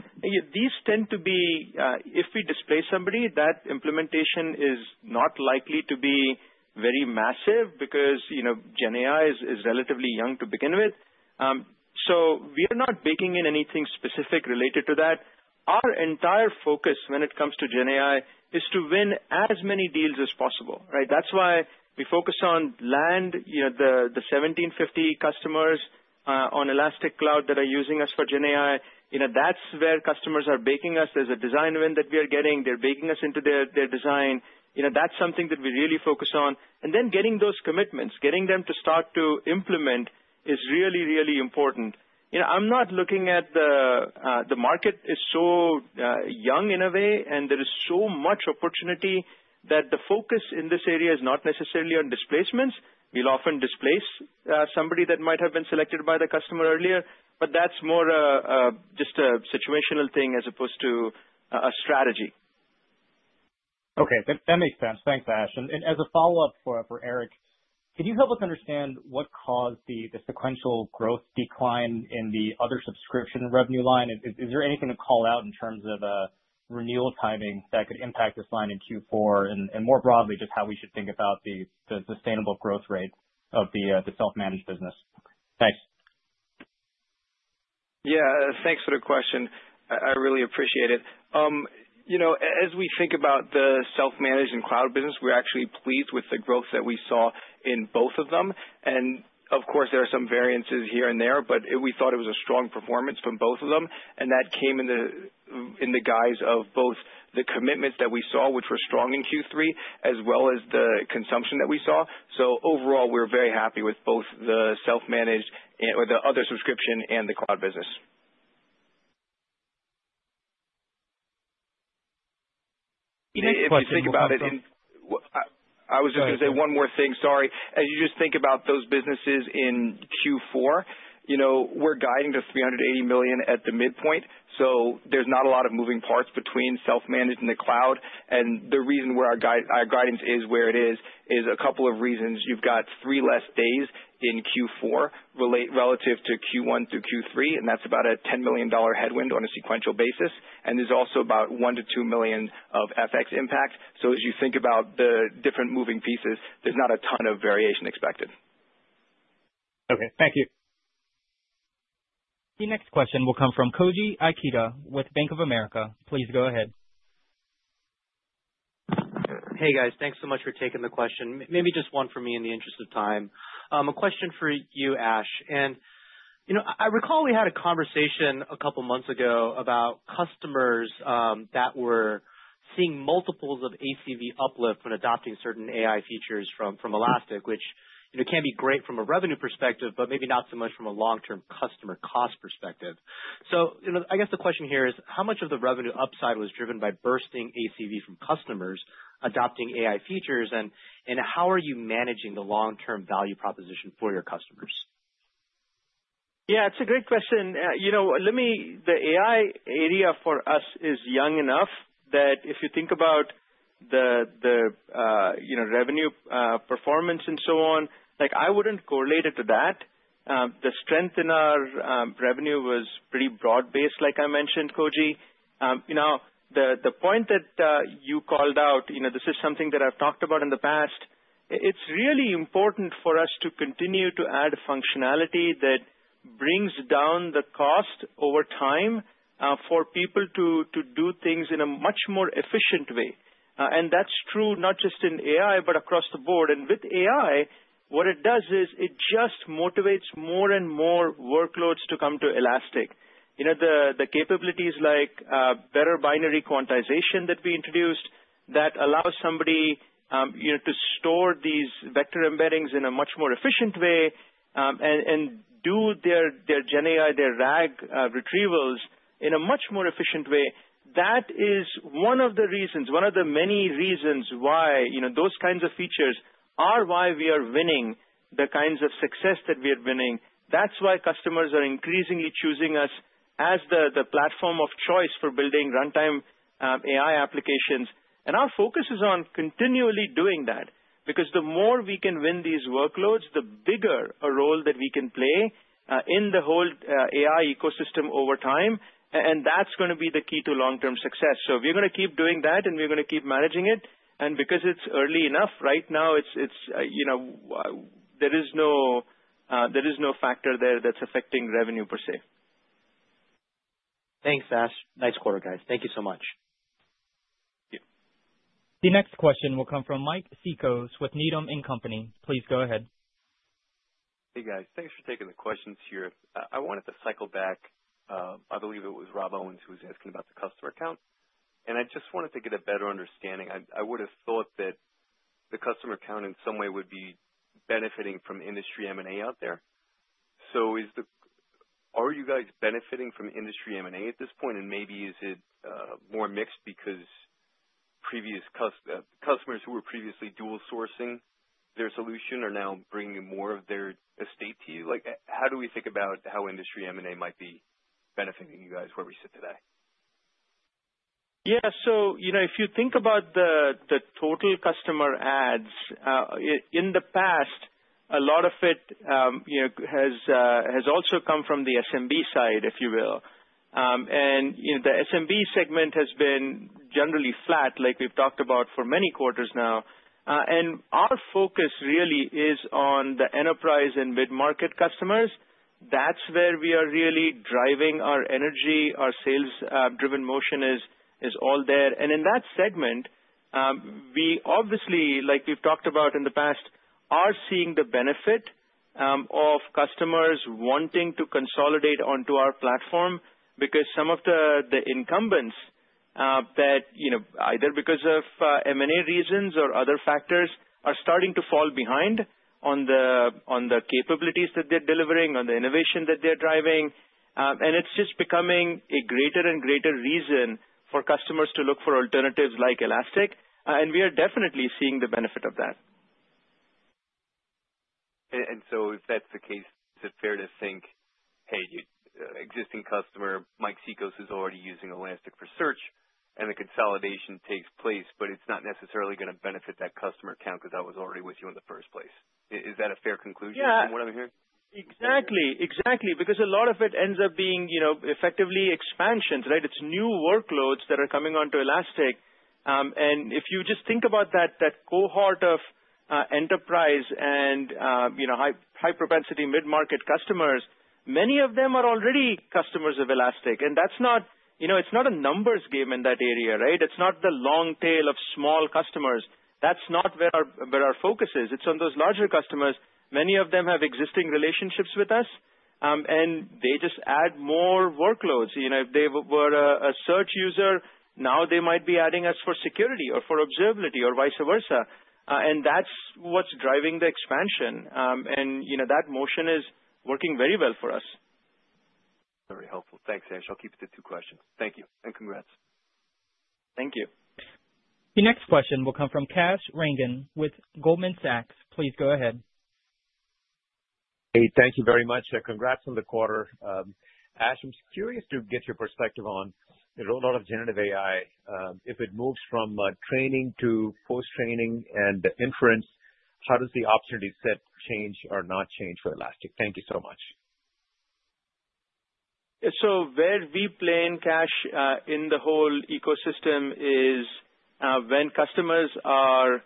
these tend to be if we displace somebody, that implementation is not likely to be very massive because GenAI is relatively young to begin with. So we are not baking in anything specific related to that. Our entire focus when it comes to GenAI is to win as many deals as possible. Right? That's why we focus on land, the 1,750 customers on Elastic Cloud that are using us for GenAI. That's where customers are baking us. There's a design win that we are getting. They're baking us into their design. That's something that we really focus on. And then getting those commitments, getting them to start to implement is really, really important. I mean the market is so young in a way, and there is so much opportunity that the focus in this area is not necessarily on displacements. We'll often displace somebody that might have been selected by the customer earlier, but that's more just a situational thing as opposed to a strategy. Okay. That makes sense. Thanks, Ash. As a follow-up for Eric, can you help us understand what caused the sequential growth decline in the other subscription revenue line? Is there anything to call out in terms of renewal timing that could impact this line in Q4? And more broadly, just how we should think about the sustainable growth rate of the self-managed business? Thanks. Yeah. Thanks for the question. I really appreciate it. As we think about the self-managed and cloud business, we're actually pleased with the growth that we saw in both of them. And of course, there are some variances here and there, but we thought it was a strong performance from both of them. And that came in the guise of both the commitments that we saw, which were strong in Q3, as well as the consumption that we saw. So overall, we're very happy with both the self-managed or the other subscription and the cloud business. The next question. If you think about it, I was just going to say one more thing. Sorry. As you just think about those businesses in Q4, we're guiding to $380 million at the midpoint. So there's not a lot of moving parts between self-managed and the cloud. And the reason where our guidance is where it is is a couple of reasons. You've got three less days in Q4 relative to Q1 through Q3, and that's about a $10 million headwind on a sequential basis. And there's also about $1 million to $2 million of FX impact. So as you think about the different moving pieces, there's not a ton of variation expected. Okay. Thank you. The next question will come from Koji Ikeda with Bank of America. Please go ahead. Hey, guys. Thanks so much for taking the question. Maybe just one for me in the interest of time. A question for you, Ash. And I recall we had a conversation a couple of months ago about customers that were seeing multiples of ACV uplift when adopting certain AI features from Elastic, which can be great from a revenue perspective, but maybe not so much from a long-term customer cost perspective. So I guess the question here is, how much of the revenue upside was driven by bursting ACV from customers adopting AI features? And how are you managing the long-term value proposition for your customers? Yeah. It's a great question. The AI area for us is young enough that if you think about the revenue performance and so on, I wouldn't correlate it to that. The strength in our revenue was pretty broad-based, like I mentioned, Koji. The point that you called out, this is something that I've talked about in the past. It's really important for us to continue to add functionality that brings down the cost over time for people to do things in a much more efficient way. And that's true not just in AI, but across the board. And with AI, what it does is it just motivates more and more workloads to come to Elastic. The capabilities like better binary quantization that we introduced that allows somebody to store these vector embeddings in a much more efficient way and do their GenAI, their RAG retrievals in a much more efficient way. That is one of the reasons, one of the many reasons why those kinds of features are why we are winning the kinds of success that we are winning. That's why customers are increasingly choosing us as the platform of choice for building runtime AI applications. Our focus is on continually doing that because the more we can win these workloads, the bigger a role that we can play in the whole AI ecosystem over time. That's going to be the key to long-term success. We're going to keep doing that, and we're going to keep managing it. Because it's early enough right now, there is no factor there that's affecting revenue per se. Thanks, Ash. Nice quarter, guys. Thank you so much. Thank you. The next question will come from Mike Cikos with Needham & Company. Please go ahead. Hey, guys. Thanks for taking the questions here. I wanted to cycle back. I believe it was Rob Owens who was asking about the customer account. I just wanted to get a better understanding. I would have thought that the customer count in some way would be benefiting from industry M&A out there. So are you guys benefiting from industry M&A at this point? And maybe is it more mixed because customers who were previously dual-sourcing their solution are now bringing more of their estate to you? How do we think about how industry M&A might be benefiting you guys where we sit today? Yeah. So if you think about the total customer adds, in the past, a lot of it has also come from the SMB side, if you will. And the SMB segment has been generally flat, like we've talked about for many quarters now. And our focus really is on the enterprise and mid-market customers. That's where we are really driving our energy. Our sales-driven motion is all there. In that segment, we obviously, like we've talked about in the past, are seeing the benefit of customers wanting to consolidate onto our platform because some of the incumbents that either because of M&A reasons or other factors are starting to fall behind on the capabilities that they're delivering, on the innovation that they're driving. And it's just becoming a greater and greater reason for customers to look for alternatives like Elastic. And we are definitely seeing the benefit of that. And so if that's the case, is it fair to think, "Hey, existing customer, Mike Cikos is already using Elastic for search, and the consolidation takes place, but it's not necessarily going to benefit that customer account because that was already with you in the first place"? Is that a fair conclusion from what I'm hearing? Yeah. Exactly. Exactly. Because a lot of it ends up being effectively expansions, right? It's new workloads that are coming onto Elastic. And if you just think about that cohort of enterprise and high-propensity mid-market customers, many of them are already customers of Elastic. And it's not a numbers game in that area, right? It's not the long tail of small customers. That's not where our focus is. It's on those larger customers. Many of them have existing relationships with us, and they just add more workloads. If they were a search user, now they might be adding us for security or for observability or vice versa. And that's what's driving the expansion. And that motion is working very well for us. Very helpful. Thanks, Ash. I'll keep it to two questions. Thank you. And congrats. Thank you. The next question will come from Kash Rangan with Goldman Sachs. Please go ahead. Hey, thank you very much. Congrats on the quarter. Ash, I'm curious to get your perspective on. There's a lot of generative AI. If it moves from training to post-training and inference, how does the opportunity set change or not change for Elastic? Thank you so much. So where we play in GenAI in the whole ecosystem is when customers are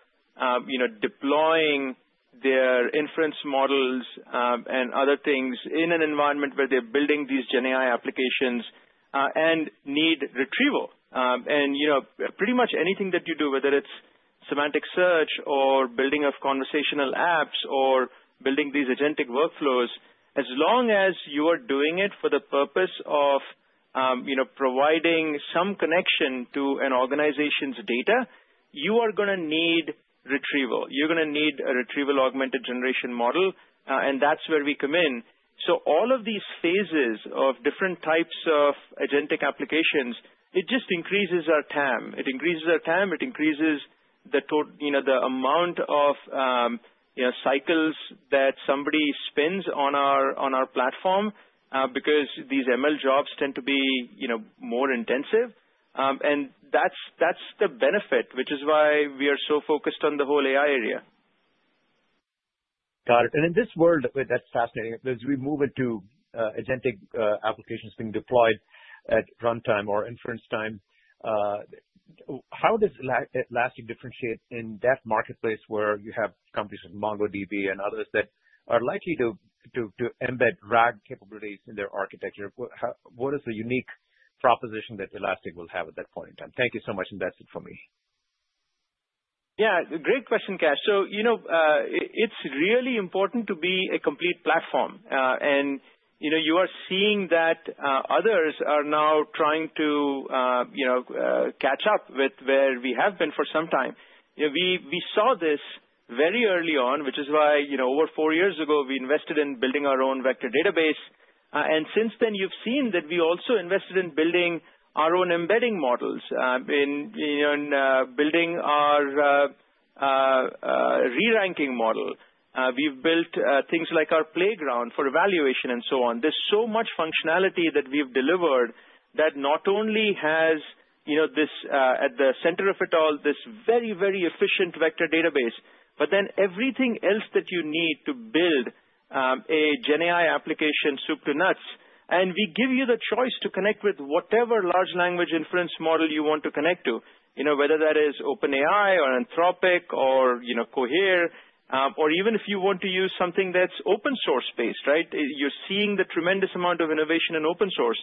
deploying their inference models and other things in an environment where they're building these GenAI applications and need retrieval. And pretty much anything that you do, whether it's semantic search or building of conversational apps or building these agentic workflows, as long as you are doing it for the purpose of providing some connection to an organization's data, you are going to need retrieval. You're going to need a retrieval augmented generation model, and that's where we come in. So all of these phases of different types of agentic applications, it just increases our TAM. It increases our TAM. It increases the amount of cycles that somebody spends on our platform because these ML jobs tend to be more intensive. And that's the benefit, which is why we are so focused on the whole AI area. Got it. And in this world, that's fascinating. As we move into agentic applications being deployed at runtime or inference time, how does Elastic differentiate in that marketplace where you have companies like MongoDB and others that are likely to embed RAG capabilities in their architecture? What is the unique proposition that Elastic will have at that point in time? Thank you so much, and that's it for me. Yeah. Great question, Cash. So it's really important to be a complete platform. You are seeing that others are now trying to catch up with where we have been for some time. We saw this very early on, which is why over four years ago, we invested in building our own vector database. Since then, you've seen that we also invested in building our own embedding models, in building our re-ranking model. We've built things like our playground for evaluation and so on. There's so much functionality that we've delivered that not only has this at the center of it all, this very, very efficient vector database, but then everything else that you need to build a GenAI application soup to nuts. We give you the choice to connect with whatever large language inference model you want to connect to, whether that is OpenAI or Anthropic or Cohere, or even if you want to use something that's open-source-based, right? You're seeing the tremendous amount of innovation in open-source.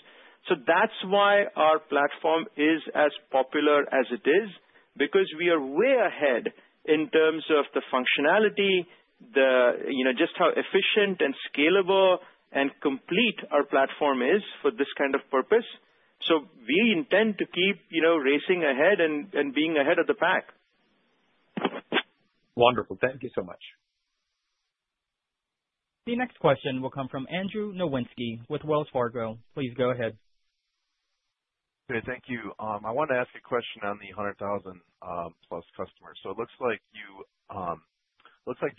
So that's why our platform is as popular as it is because we are way ahead in terms of the functionality, just how efficient and scalable and complete our platform is for this kind of purpose. So we intend to keep racing ahead and being ahead of the pack. Wonderful. Thank you so much. The next question will come from Andrew Nowinsky with Wells Fargo. Please go ahead. Hey, thank you. I wanted to ask a question on the 100,000-plus customers. So it looks like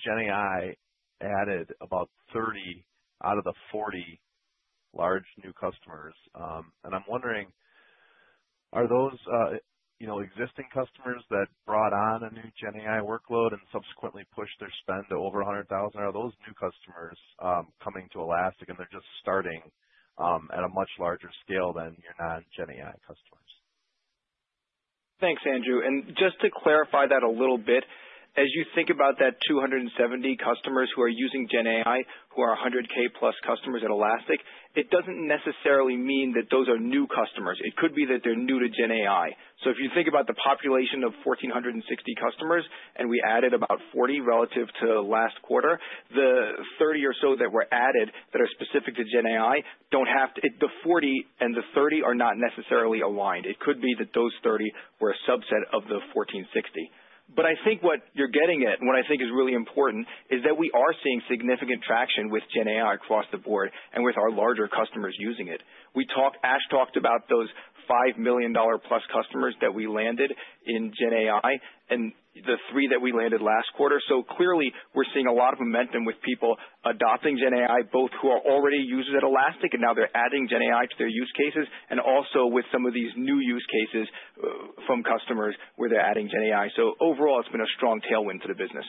GenAI added about 30 out of the 40 large new customers. And I'm wondering, are those existing customers that brought on a new GenAI workload and subsequently pushed their spend to over 100,000? Are those new customers coming to Elastic, and they're just starting at a much larger scale than your non-GenAI customers? Thanks, Andrew. And just to clarify that a little bit, as you think about that 270 customers who are using GenAI, who are 100K-plus customers at Elastic, it doesn't necessarily mean that those are new customers. It could be that they're new to GenAI. So if you think about the population of 1,460 customers, and we added about 40 relative to last quarter, the 30 or so that were added that are specific to GenAI, the 40 and the 30 are not necessarily aligned. It could be that those 30 were a subset of the 1,460. But I think what you're getting at, and what I think is really important, is that we are seeing significant traction with GenAI across the board and with our larger customers using it. Ash talked about those $5 million-plus customers that we landed in GenAI and the three that we landed last quarter. So clearly, we're seeing a lot of momentum with people adopting GenAI, both who are already users at Elastic, and now they're adding GenAI to their use cases, and also with some of these new use cases from customers where they're adding GenAI. So overall, it's been a strong tailwind to the business.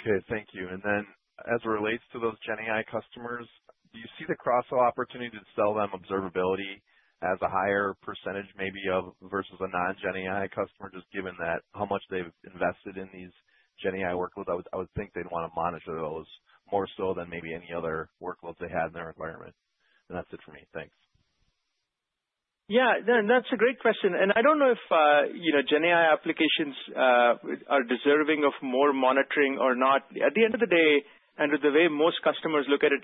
Okay. Thank you. And then as it relates to those GenAI customers, do you see the cross-opportunity to sell them observability as a higher percentage maybe versus a non-GenAI customer, just given how much they've invested in these GenAI workloads? I would think they'd want to monitor those more so than maybe any other workloads they had in their environment. And that's it for me. Thanks. Yeah. And that's a great question. And I don't know if GenAI applications are deserving of more monitoring or not. At the end of the day, and with the way most customers look at it,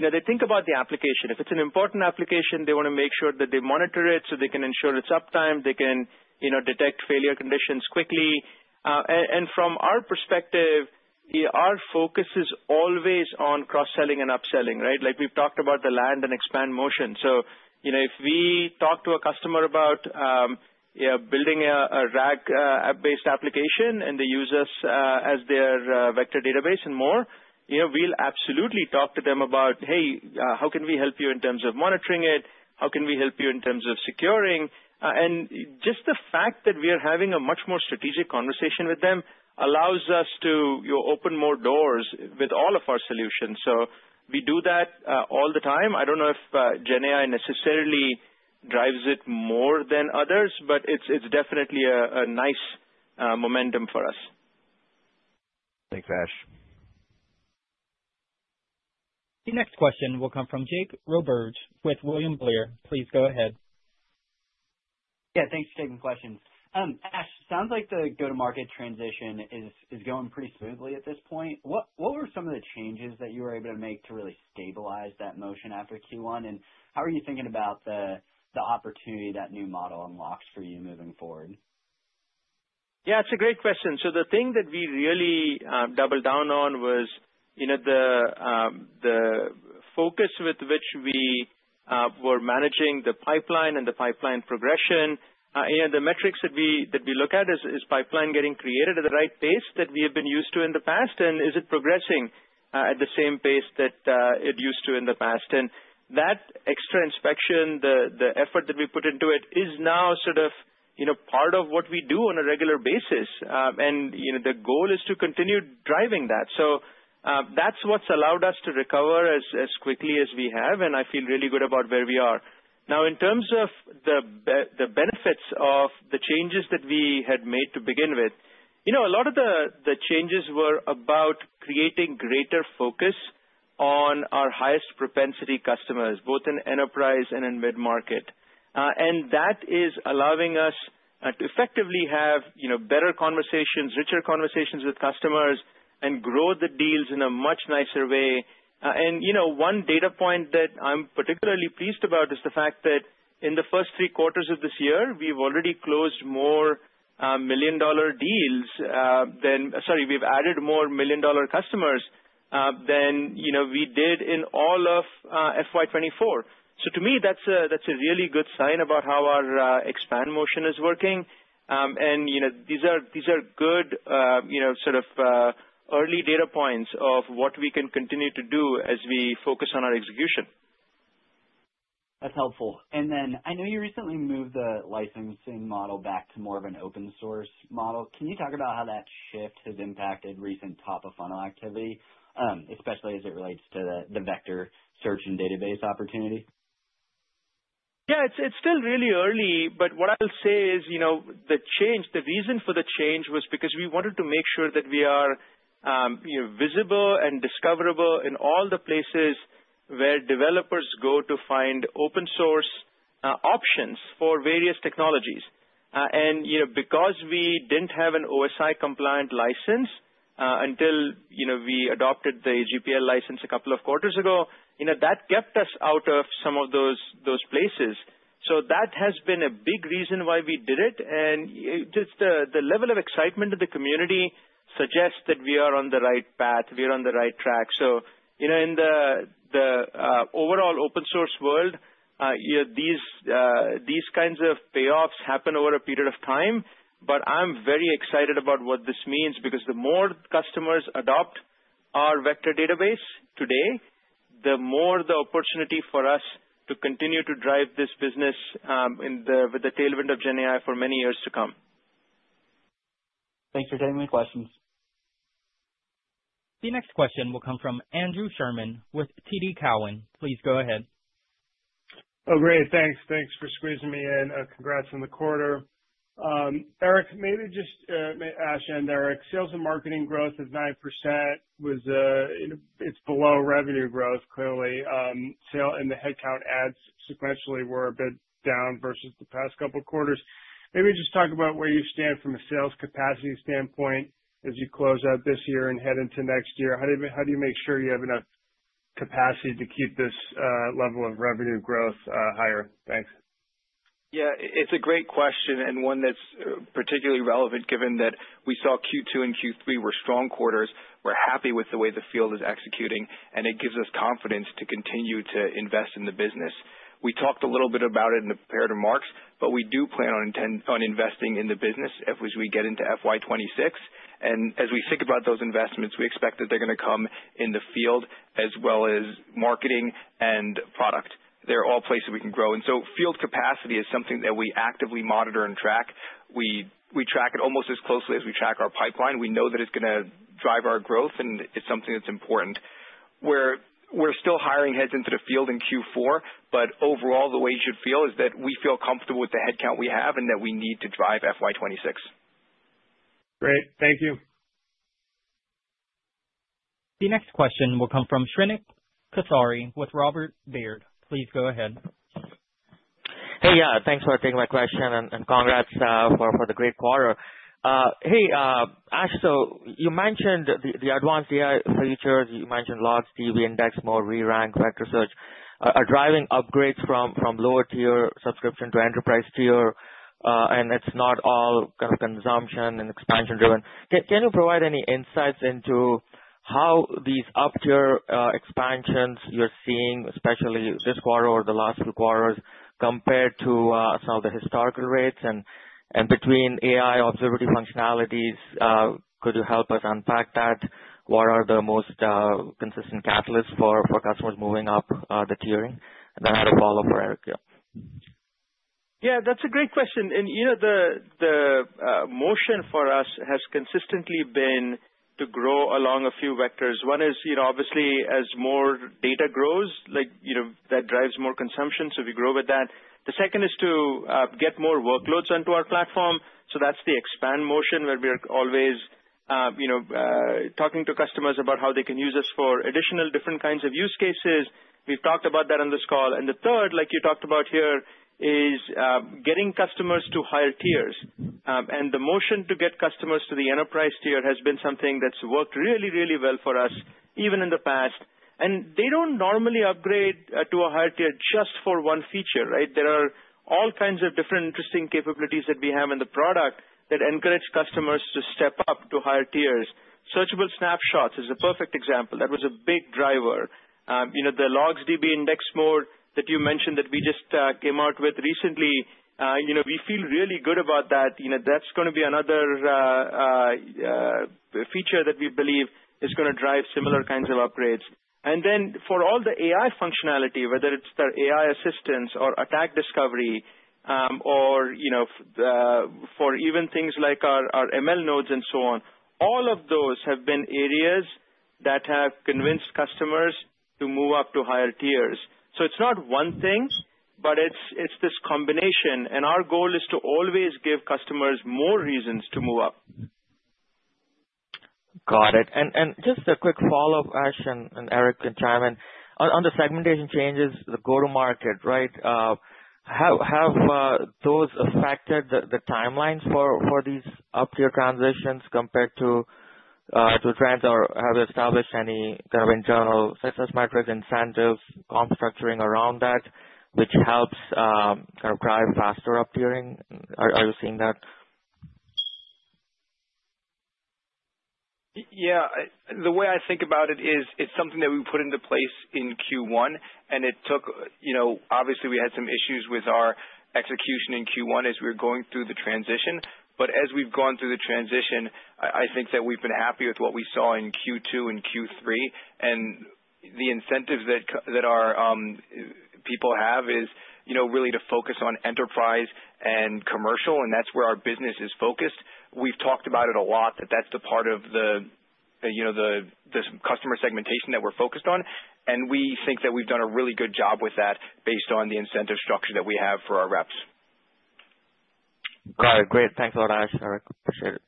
they think about the application. If it's an important application, they want to make sure that they monitor it so they can ensure it's uptime. They can detect failure conditions quickly. And from our perspective, our focus is always on cross-selling and upselling, right? We've talked about the land and expand motion. So if we talk to a customer about building a RAG-based application and they use us as their vector database and more, we'll absolutely talk to them about, "Hey, how can we help you in terms of monitoring it? How can we help you in terms of securing?" And just the fact that we are having a much more strategic conversation with them allows us to open more doors with all of our solutions. So we do that all the time. I don't know if GenAI necessarily drives it more than others, but it's definitely a nice momentum for us. Thanks, Ash. The next question will come from Jake Roberge with William Blair. Please go ahead. Yeah. Thanks for taking the question. Ash, it sounds like the go-to-market transition is going pretty smoothly at this point. What were some of the changes that you were able to make to really stabilize that motion after Q1? And how are you thinking about the opportunity that new model unlocks for you moving forward? Yeah. It's a great question. So the thing that we really doubled down on was the focus with which we were managing the pipeline and the pipeline progression. The metrics that we look at is pipeline getting created at the right pace that we have been used to in the past? And is it progressing at the same pace that it used to in the past? And that extra inspection, the effort that we put into it, is now sort of part of what we do on a regular basis. And the goal is to continue driving that. So that's what's allowed us to recover as quickly as we have. And I feel really good about where we are. Now, in terms of the benefits of the changes that we had made to begin with, a lot of the changes were about creating greater focus on our highest propensity customers, both in enterprise and in mid-market. And that is allowing us to effectively have better conversations, richer conversations with customers, and grow the deals in a much nicer way. One data point that I'm particularly pleased about is the fact that in the first three quarters of this year, we've already closed more million-dollar deals than—sorry, we've added more million-dollar customers than we did in all of FY24. To me, that's a really good sign about how our expand motion is working. These are good sort of early data points of what we can continue to do as we focus on our execution. That's helpful. I know you recently moved the licensing model back to more of an open-source model. Can you talk about how that shift has impacted recent top-of-funnel activity, especially as it relates to the vector search and database opportunity? Yeah. It's still really early, but what I'll say is the reason for the change was because we wanted to make sure that we are visible and discoverable in all the places where developers go to find open-source options for various technologies. And because we didn't have an OSI-compliant license until we adopted the GPL license a couple of quarters ago, that kept us out of some of those places. So that has been a big reason why we did it. And the level of excitement in the community suggests that we are on the right path. We are on the right track. So in the overall open-source world, these kinds of payoffs happen over a period of time. But I'm very excited about what this means because the more customers adopt our vector database today, the more the opportunity for us to continue to drive this business with the tailwind of GenAI for many years to come. Thanks for taking my questions. The next question will come from Andrew Sherman with TD Cowen. Please go ahead. Oh, great. Thanks. Thanks for squeezing me in. Congrats on the quarter. Eric, maybe just Ash and Eric, sales and marketing growth of 9% was below revenue growth, clearly. And the headcount adds sequentially were a bit down versus the past couple of quarters. Maybe just talk about where you stand from a sales capacity standpoint as you close out this year and head into next year. How do you make sure you have enough capacity to keep this level of revenue growth higher? Thanks. Yeah. It's a great question and one that's particularly relevant given that we saw Q2 and Q3 were strong quarters. We're happy with the way the field is executing, and it gives us confidence to continue to invest in the business. We talked a little bit about it in the prepared remarks, but we do plan on investing in the business as we get into FY26, and as we think about those investments, we expect that they're going to come in the field as well as marketing and product. They're all places we can grow, and so field capacity is something that we actively monitor and track. We track it almost as closely as we track our pipeline. We know that it's going to drive our growth, and it's something that's important. We're still hiring heads into the field in Q4, but overall, the way you should feel is that we feel comfortable with the headcount we have and that we need to drive FY26. Great. Thank you. The next question will come from Shrenik Kothari with Robert Baird. Please go ahead. Hey, yeah. Thanks for taking my question, and congrats for the great quarter. Hey, Ash, so you mentioned the advanced AI features. You mentioned LogsDB index, more re-rank, vector search are driving upgrades from lower-tier subscription to enterprise tier, and it's not all kind of consumption and expansion-driven. Can you provide any insights into how these up-tier expansions you're seeing, especially this quarter or the last few quarters, compared to some of the historical rates and between AI observability functionalities? Could you help us unpack that? What are the most consistent catalysts for customers moving up the tiering? Then I'll follow for Eric. Yeah. That's a great question. The motion for us has consistently been to grow along a few vectors. One is, obviously, as more data grows, that drives more consumption, so we grow with that. The second is to get more workloads onto our platform. So that's the expand motion where we're always talking to customers about how they can use us for additional different kinds of use cases. We've talked about that on this call. The third, like you talked about here, is getting customers to higher tiers. The motion to get customers to the enterprise tier has been something that's worked really, really well for us even in the past. They don't normally upgrade to a higher tier just for one feature, right? There are all kinds of different interesting capabilities that we have in the product that encourage customers to step up to higher tiers. Searchable Snapshots is a perfect example. That was a big driver. The LogsDB index mode that you mentioned that we just came out with recently, we feel really good about that. That's going to be another feature that we believe is going to drive similar kinds of upgrades. And then for all the AI functionality, whether it's the AI Assistant or Attack Discovery or for even things like our ML nodes and so on, all of those have been areas that have convinced customers to move up to higher tiers. So it's not one thing, but it's this combination. And our goal is to always give customers more reasons to move up. Got it. And just a quick follow-up, Ash and Eric and Chimene, on the segmentation changes, the go-to-market, right? Have those affected the timelines for these up-tier transitions compared to trends? Or have you established any kind of internal success metrics, incentives, comp structuring around that, which helps kind of drive faster up-tiering? Are you seeing that? Yeah. The way I think about it is it's something that we put into place in Q1, and it took obviously, we had some issues with our execution in Q1 as we were going through the transition. But as we've gone through the transition, I think that we've been happy with what we saw in Q2 and Q3. And the incentives that our people have is really to focus on enterprise and commercial, and that's where our business is focused. We've talked about it a lot, that that's the part of the customer segmentation that we're focused on. And we think that we've done a really good job with that based on the incentive structure that we have for our reps. Got it. Great. Thanks a lot, Ash. I appreciate it.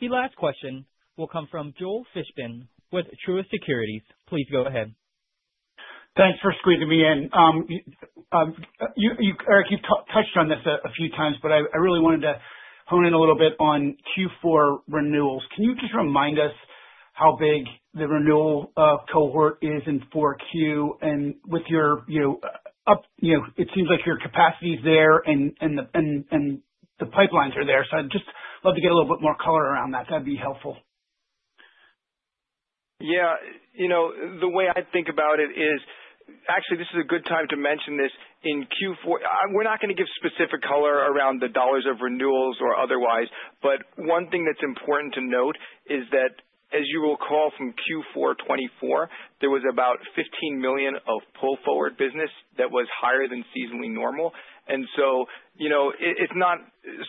The last question will come from Joel Fishbin with Truist Securities. Please go ahead. Thanks for squeezing me in. Eric, you've touched on this a few times, but I really wanted to hone in a little bit on Q4 renewals. Can you just remind us how big the renewal cohort is in 4Q? And with your up, it seems like your capacity is there and the pipelines are there. So I'd just love to get a little bit more color around that. That'd be helpful. Yeah. The way I think about it is, actually, this is a good time to mention this. In Q4, we're not going to give specific color around the dollars of renewals or otherwise, but one thing that's important to note is that, as you will recall from Q424, there was about $15 million of pull-forward business that was higher than seasonally normal, and so it's not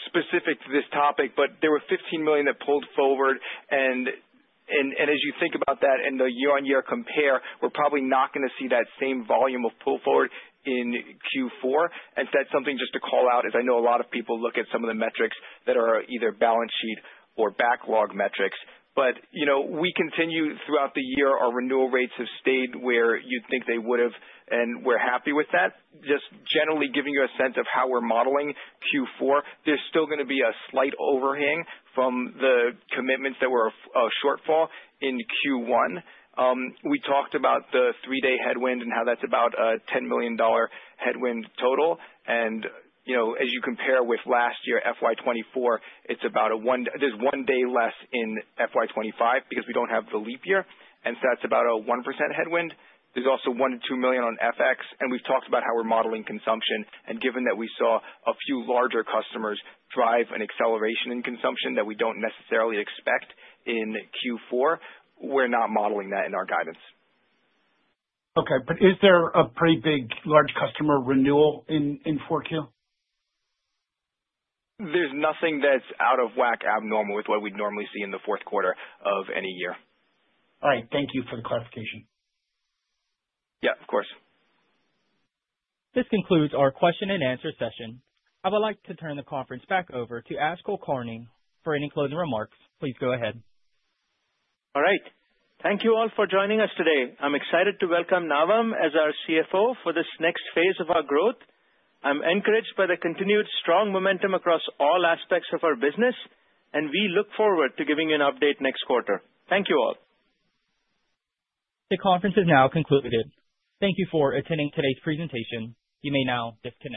specific to this topic, but there were $15 million that pulled forward, and as you think about that and the year-on-year compare, we're probably not going to see that same volume of pull-forward in Q4, and that's something just to call out, as I know a lot of people look at some of the metrics that are either balance sheet or backlog metrics, but we continue throughout the year, our renewal rates have stayed where you'd think they would have, and we're happy with that. Just generally giving you a sense of how we're modeling Q4, there's still going to be a slight overhang from the commitments that were a shortfall in Q1. We talked about the three-day headwind and how that's about a $10 million headwind total. And as you compare with last year, FY24, it's about a one, there's one day less in FY25 because we don't have the leap year. And so that's about a 1% headwind. There's also one to two million on FX. And we've talked about how we're modeling consumption. And given that we saw a few larger customers drive an acceleration in consumption that we don't necessarily expect in Q4, we're not modeling that in our guidance. Okay. But is there a pretty big large customer renewal in 4Q? There's nothing that's out of whack, abnormal with what we'd normally see in the fourth quarter of any year. All right. Thank you for the clarification. Yeah, of course. This concludes our question-and-answer session. I would like to turn the conference back over to Ash Kulkarni for any closing remarks. Please go ahead. All right. Thank you all for joining us today. I'm excited to welcome Navam as our CFO for this next phase of our growth. I'm encouraged by the continued strong momentum across all aspects of our business, and we look forward to giving you an update next quarter. Thank you all. The conference is now concluded. Thank you for attending today's presentation. You may now disconnect.